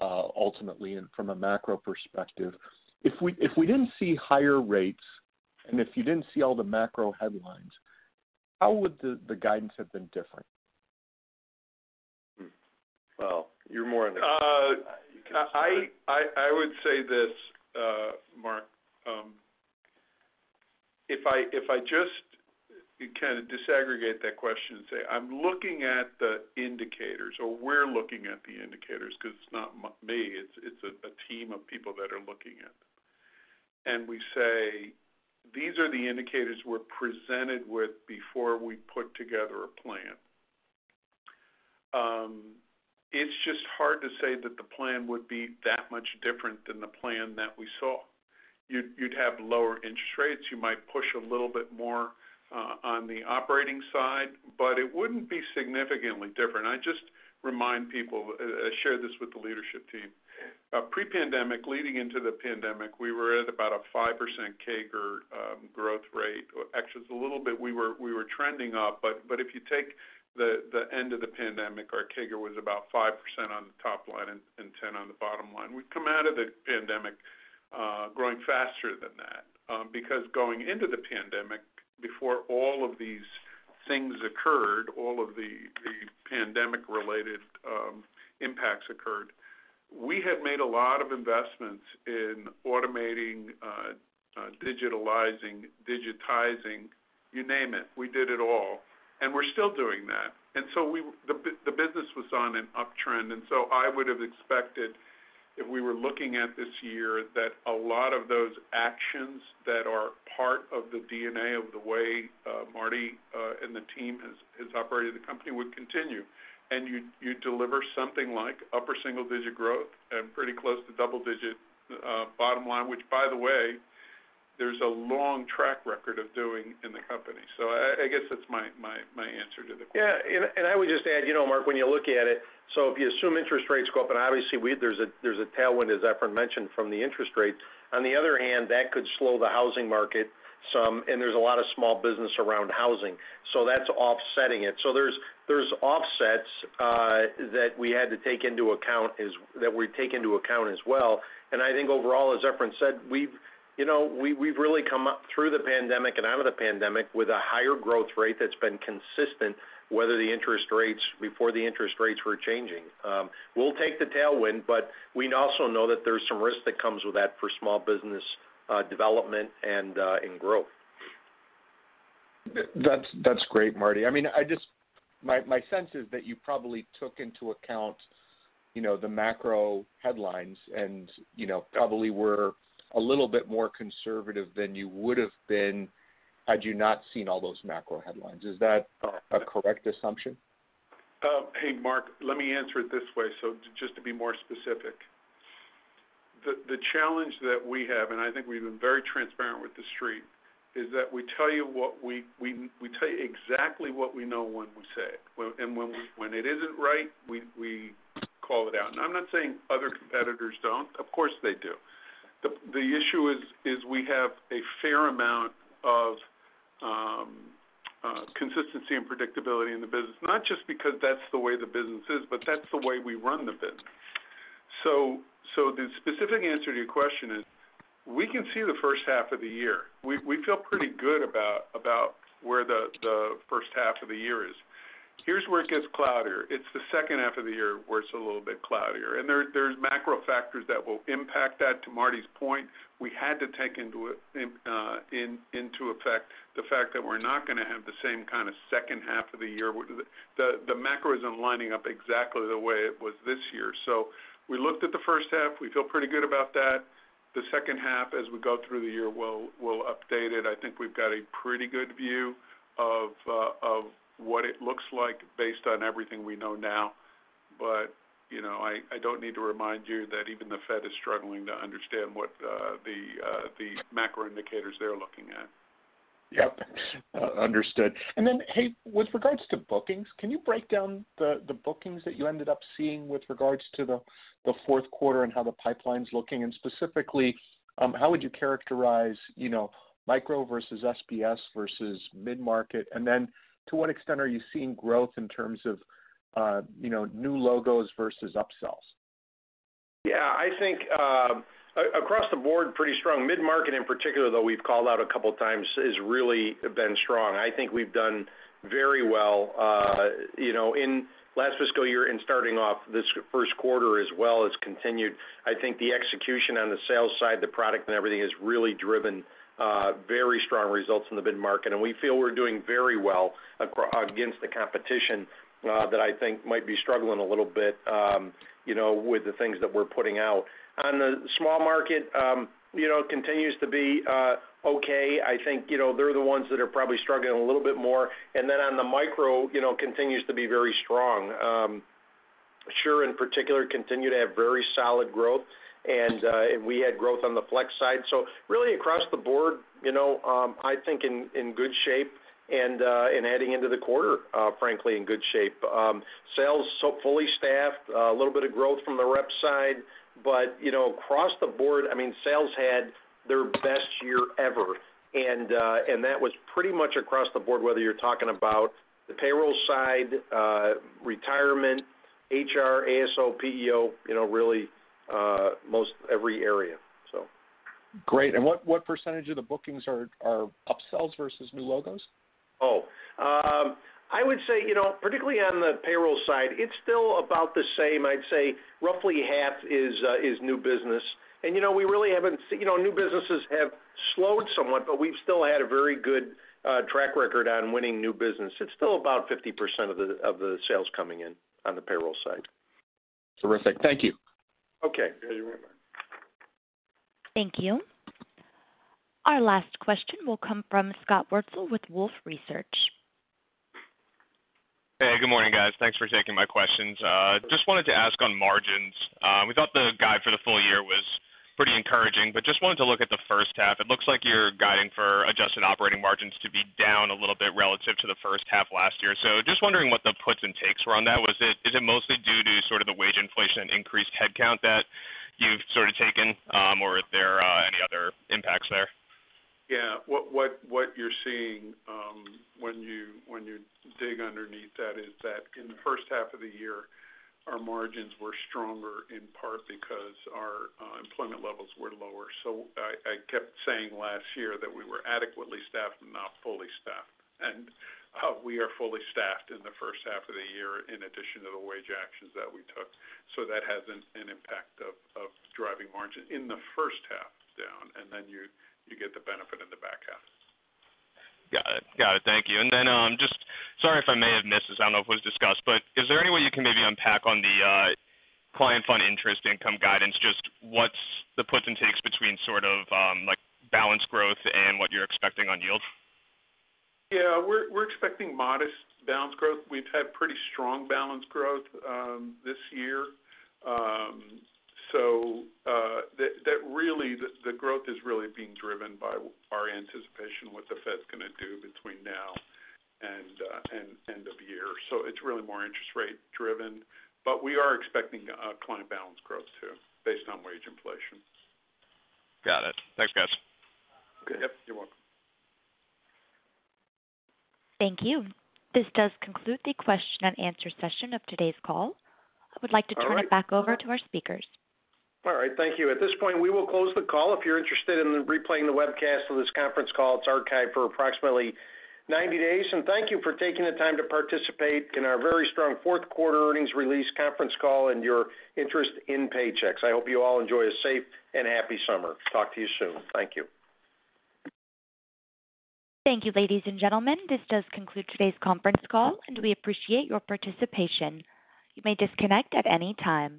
Speaker 15: ultimately and from a macro perspective. If we didn't see higher rates, and if you didn't see all the macro headlines, how would the guidance have been different?
Speaker 2: Well, you're more on the
Speaker 4: I would say this, Mark. If I just kinda disaggregate that question and say, I'm looking at the indicators, or we're looking at the indicators, 'cause it's not me, it's a team of people that are looking at. We say, these are the indicators we're presented with before we put together a plan. It's just hard to say that the plan would be that much different than the plan that we saw. You'd have lower interest rates. You might push a little bit more on the operating side, but it wouldn't be significantly different. I just remind people, I share this with the leadership team. Pre-pandemic, leading into the pandemic, we were at about a 5% CAGR growth rate. Actually, it's a little bit. We were trending up. If you take the end of the pandemic, our CAGR was about 5% on the top line and 10% on the bottom line. We've come out of the pandemic, growing faster than that. Because going into the pandemic, before all of these things occurred, all of the pandemic-related impacts occurred, we had made a lot of investments in automating, digitizing, you name it. We did it all, and we're still doing that. The business was on an uptrend, and so I would have expected if we were looking at this year, that a lot of those actions that are part of the DNA of the way Marty and the team has operated the company would continue. You'd deliver something like upper single-digit growth and pretty close to double-digit bottom line, which by the way, there's a long track record of doing in the company. I guess that's my answer to the question.
Speaker 2: Yeah. I would just add, you know, Mark, when you look at it, if you assume interest rates go up, and obviously there's a tailwind, as Efrain mentioned, from the interest rate. On the other hand, that could slow the housing market some, and there's a lot of small business around housing, so that's offsetting it. There's offsets that we had to take into account that we take into account as well. I think overall, as Efrain said, we've, you know, we've really come up through the pandemic and out of the pandemic with a higher growth rate that's been consistent, whether before the interest rates were changing. We'll take the tailwind, but we also know that there's some risk that comes with that for small business development and growth.
Speaker 15: That's great, Marty. I mean, my sense is that you probably took into account, you know, the macro headlines and, you know, probably were a little bit more conservative than you would have been had you not seen all those macro headlines. Is that a correct assumption?
Speaker 4: Hey, Mark, let me answer it this way, just to be more specific. The challenge that we have, and I think we've been very transparent with the Street, is that we tell you exactly what we know when we say it. When it isn't right, we call it out. I'm not saying other competitors don't. Of course they do. The issue is we have a fair amount of consistency and predictability in the business, not just because that's the way the business is, but that's the way we run the business. The specific answer to your question is, we can see the first half of the year. We feel pretty good about where the first half of the year is. Here's where it gets cloudier. It's the second half of the year where it's a little bit cloudier, and there's macro factors that will impact that. To Marty's point, we had to take into account the fact that we're not gonna have the same kinda second half of the year. The macro isn't lining up exactly the way it was this year. We looked at the first half. We feel pretty good about that. The second half, as we go through the year, we'll update it. I think we've got a pretty good view of what it looks like based on everything we know now. You know, I don't need to remind you that even the Fed is struggling to understand what the macro indicators they're looking at.
Speaker 15: Yep. Understood. Hey, with regards to bookings, can you break down the bookings that you ended up seeing with regards to the fourth quarter and how the pipeline's looking? Specifically, how would you characterize, you know, micro versus SBS versus mid-market? To what extent are you seeing growth in terms of, you know, new logos versus upsells?
Speaker 2: Yeah, I think across the board, pretty strong. Mid-market in particular, though we've called out a couple times, has really been strong. I think we've done very well, you know, in last fiscal year and starting off this first quarter as well, has continued. I think the execution on the sales side, the product and everything, has really driven very strong results in the mid-market. We feel we're doing very well across against the competition, that I think might be struggling a little bit, you know, with the things that we're putting out. On the small market, you know, continues to be okay. I think, you know, they're the ones that are probably struggling a little bit more. Then on the micro, you know, continues to be very strong. SurePayroll in particular continues to have very solid growth. We had growth on the Flex side. Really across the board, you know, I think in good shape and heading into the quarter, frankly in good shape. Sales so fully staffed, a little bit of growth from the rep side. You know, across the board, I mean, sales had their best year ever, and that was pretty much across the board, whether you're talking about the payroll side, retirement, HR, ASO, PEO, you know, really most every area, so.
Speaker 15: Great. What percentage of the bookings are upsells versus new logos?
Speaker 2: I would say, you know, particularly on the payroll side, it's still about the same. I'd say roughly half is new business. You know, we really haven't you know, new businesses have slowed somewhat, but we've still had a very good track record on winning new business. It's still about 50% of the sales coming in on the payroll side.
Speaker 15: Terrific. Thank you.
Speaker 2: Okay. Very well.
Speaker 1: Thank you. Our last question will come from Scott Wurtzel with Wolfe Research.
Speaker 16: Hey, good morning, guys. Thanks for taking my questions. Just wanted to ask on margins. We thought the guide for the full year was pretty encouraging, but just wanted to look at the first half. It looks like you're guiding for adjusted operating margins to be down a little bit relative to the first half last year. Just wondering what the puts and takes were on that. Is it mostly due to sort of the wage inflation and increased headcount that you've sort of taken, or are there any other impacts there?
Speaker 4: Yeah. What you're seeing, when you dig underneath that, is that in the first half of the year, our margins were stronger in part because our employment levels were lower. I kept saying last year that we were adequately staffed and not fully staffed. We are fully staffed in the first half of the year in addition to the wage actions that we took. That has an impact of driving margin in the first half down, and then you get the benefit in the back half.
Speaker 16: Got it. Thank you. Just sorry if I may have missed this. I don't know if it was discussed. Is there any way you can maybe unpack on the client fund interest income guidance, just what's the puts and takes between sort of like balance growth and what you're expecting on yield?
Speaker 4: Yeah. We're expecting modest balance growth. We've had pretty strong balance growth this year. That the growth is really being driven by our anticipation of what the Fed's gonna do between now and end of year. It's really more interest rate driven. We are expecting client balance growth too, based on wage inflation.
Speaker 16: Got it. Thanks, guys.
Speaker 4: Okay. Yep, you're welcome.
Speaker 1: Thank you. This does conclude the question and answer session of today's call. I would like to turn it back over to our speakers.
Speaker 2: All right. Thank you. At this point, we will close the call. If you're interested in replaying the webcast of this conference call, it's archived for approximately 90 days. Thank you for taking the time to participate in our very strong fourth quarter earnings release conference call and your interest in Paychex. I hope you all enjoy a safe and happy summer. Talk to you soon. Thank you.
Speaker 1: Thank you, ladies and gentlemen. This does conclude today's conference call, and we appreciate your participation. You may disconnect at any time.